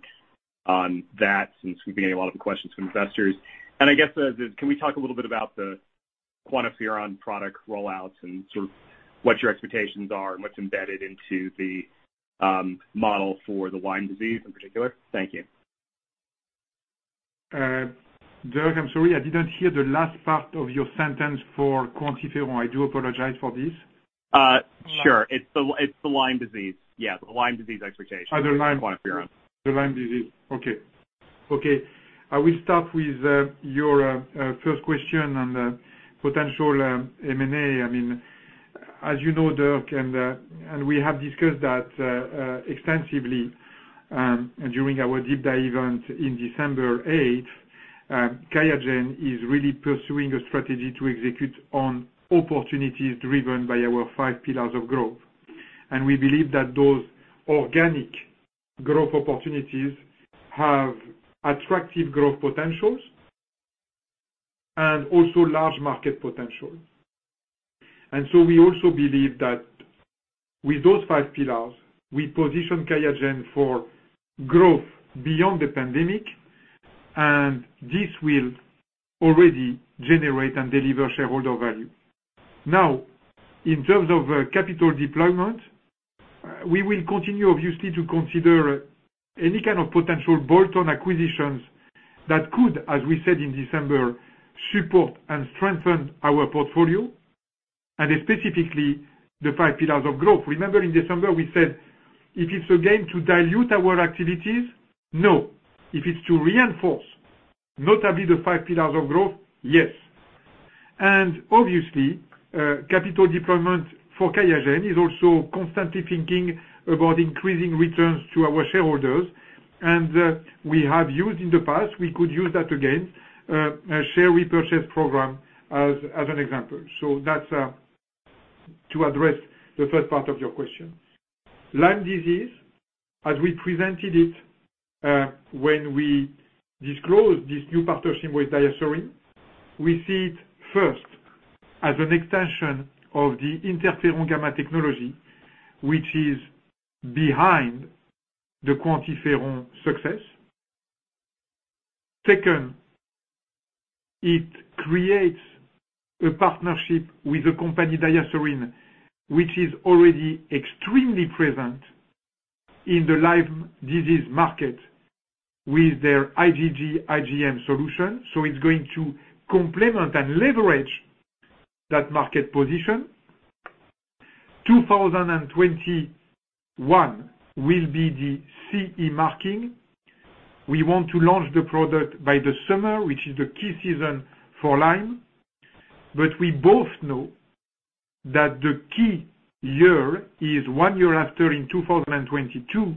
that since we've been getting a lot of questions from investors. And I guess, can we talk a little bit about the QuantiFERON product rollouts and sort of what your expectations are and what's embedded into the model for the Lyme disease in particular? Thank you. Doug, I'm sorry. I didn't hear the last part of your sentence for QuantiFERON. I do apologize for this. Sure. It's the Lyme disease. Yeah, the Lyme disease expectation for QuantiFERON. The Lyme disease. Okay. Okay. I will start with your first question on the potential M&A. I mean, as you know, Doug, and we have discussed that extensively during our deep dive event in December 8th, QIAGEN is really pursuing a strategy to execute on opportunities driven by our five pillars of growth. And we believe that those organic growth opportunities have attractive growth potentials and also large market potentials. And so we also believe that with those five pillars, we position QIAGEN for growth beyond the pandemic, and this will already generate and deliver shareholder value. Now, in terms of capital deployment, we will continue, obviously, to consider any kind of potential bolt-on acquisitions that could, as we said in December, support and strengthen our portfolio, and specifically the five pillars of growth. Remember, in December, we said, "If it's a game to dilute our activities, no. If it's to reinforce, notably the five pillars of growth, yes." And obviously, capital deployment for QIAGEN is also constantly thinking about increasing returns to our shareholders. And we have used in the past, we could use that again, a share repurchase program as an example. So that's to address the first part of your question. Lyme disease, as we presented it when we disclosed this new partnership with DiaSorin, we see it first as an extension of the interferon gamma technology, which is behind the QuantiFERON success. Second, it creates a partnership with the company DiaSorin, which is already extremely present in the Lyme disease market with their IgG IgM solution. So it's going to complement and leverage that market position. 2021 will be the CE marking. We want to launch the product by the summer, which is the key season for Lyme. But we both know that the key year is one year after in 2022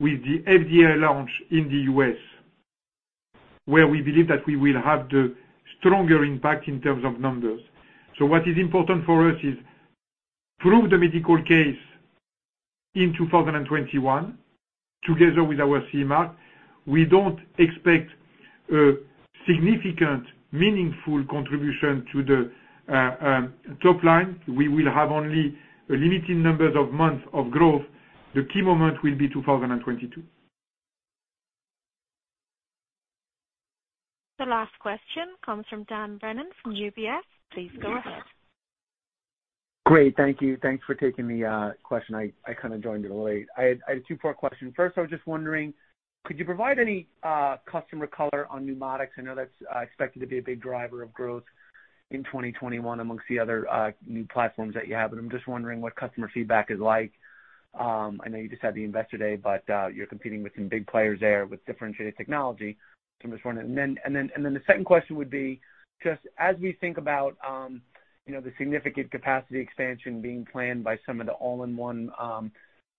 with the FDA launch in the U.S., where we believe that we will have the stronger impact in terms of numbers. So what is important for us is to prove the medical case in 2021 together with our CE mark. We don't expect a significant, meaningful contribution to the top line. We will have only a limited number of months of growth. The key moment will be 2022. The last question comes from Dan Brennan from UBS. Please go ahead. Great. Thank you. Thanks for taking the question. I kind of joined a little late. I had a two-part question. First, I was just wondering, could you provide any customer color on NeuMoDx? I know that's expected to be a big driver of growth in 2021 among the other new platforms that you have. I'm just wondering what customer feedback is like. I know you just had the Investor Day, but you're competing with some big players there with differentiated technology. So I'm just wondering. And then the second question would be, just as we think about the significant capacity expansion being planned by some of the all-in-one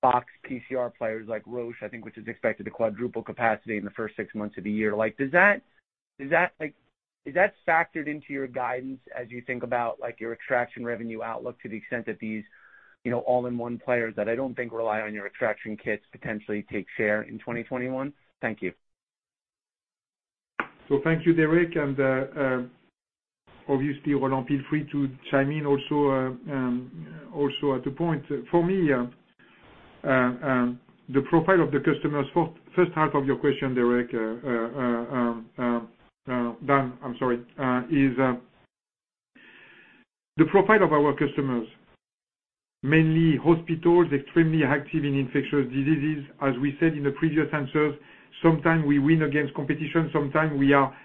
box PCR players like Roche, I think, which is expected to quadruple capacity in the first six months of the year. Is that factored into your guidance as you think about your extraction revenue outlook to the extent that these all-in-one players that I don't think rely on your extraction kits potentially take share in 2021? Thank you. Thank you, Derik. And obviously, Roland, feel free to chime in also at the point. For me, the profile of the customers, first part of your question, Derik, Dan, I'm sorry, is the profile of our customers, mainly hospitals, extremely active in infectious diseases. As we said in the previous answers, sometimes we win against competition. Sometimes we are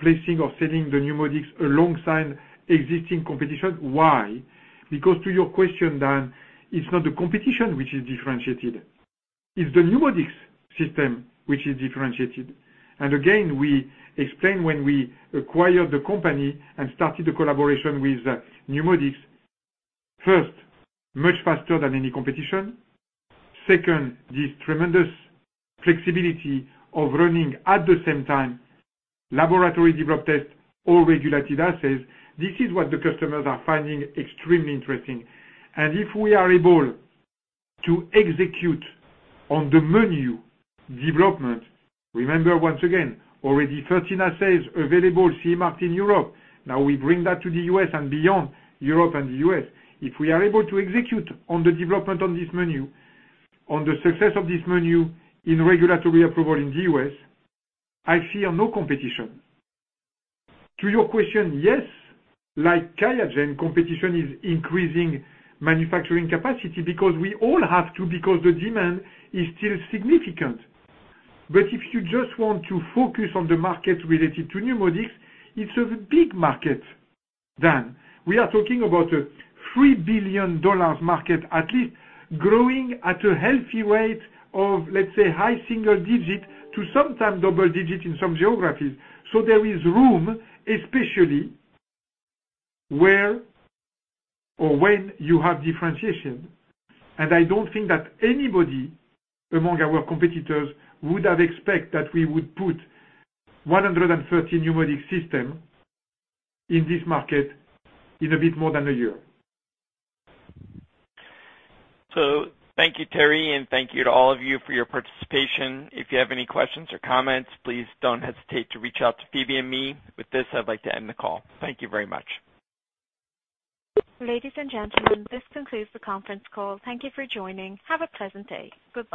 placing or selling the NeuMoDx alongside existing competition. Why? Because to your question, Dan, it's not the competition which is differentiated. It's the NeuMoDx system which is differentiated. And again, we explained when we acquired the company and started the collaboration with NeuMoDx, first, much faster than any competition. Second, this tremendous flexibility of running at the same time laboratory developed tests or regulated assays. This is what the customers are finding extremely interesting. And if we are able to execute on the menu development, remember, once again, already 13 assays available, CE marked in Europe, now we bring that to the US and beyond Europe and the US, if we are able to execute on the development on this menu, on the success of this menu in regulatory approval in the US, I fear no competition. To your question, yes, like QIAGEN, competition is increasing manufacturing capacity because we all have to because the demand is still significant. But if you just want to focus on the market related to pneumonia, it is a big market, Dan. We are talking about a $3 billion market, at least growing at a healthy rate of, let's say, high single digit to sometimes double digit in some geographies. So there is room, especially where or when you have differentiation. I don't think that anybody among our competitors would have expected that we would put 130 NeuMoDx systems in this market in a bit more than a year. Thank you, Thierry, and thank you to all of you for your participation. If you have any questions or comments, please don't hesitate to reach out to Phoebe and me. With this, I'd like to end the call. Thank you very much. Ladies and gentlemen, this concludes the conference call. Thank you for joining. Have a pleasant day. Good.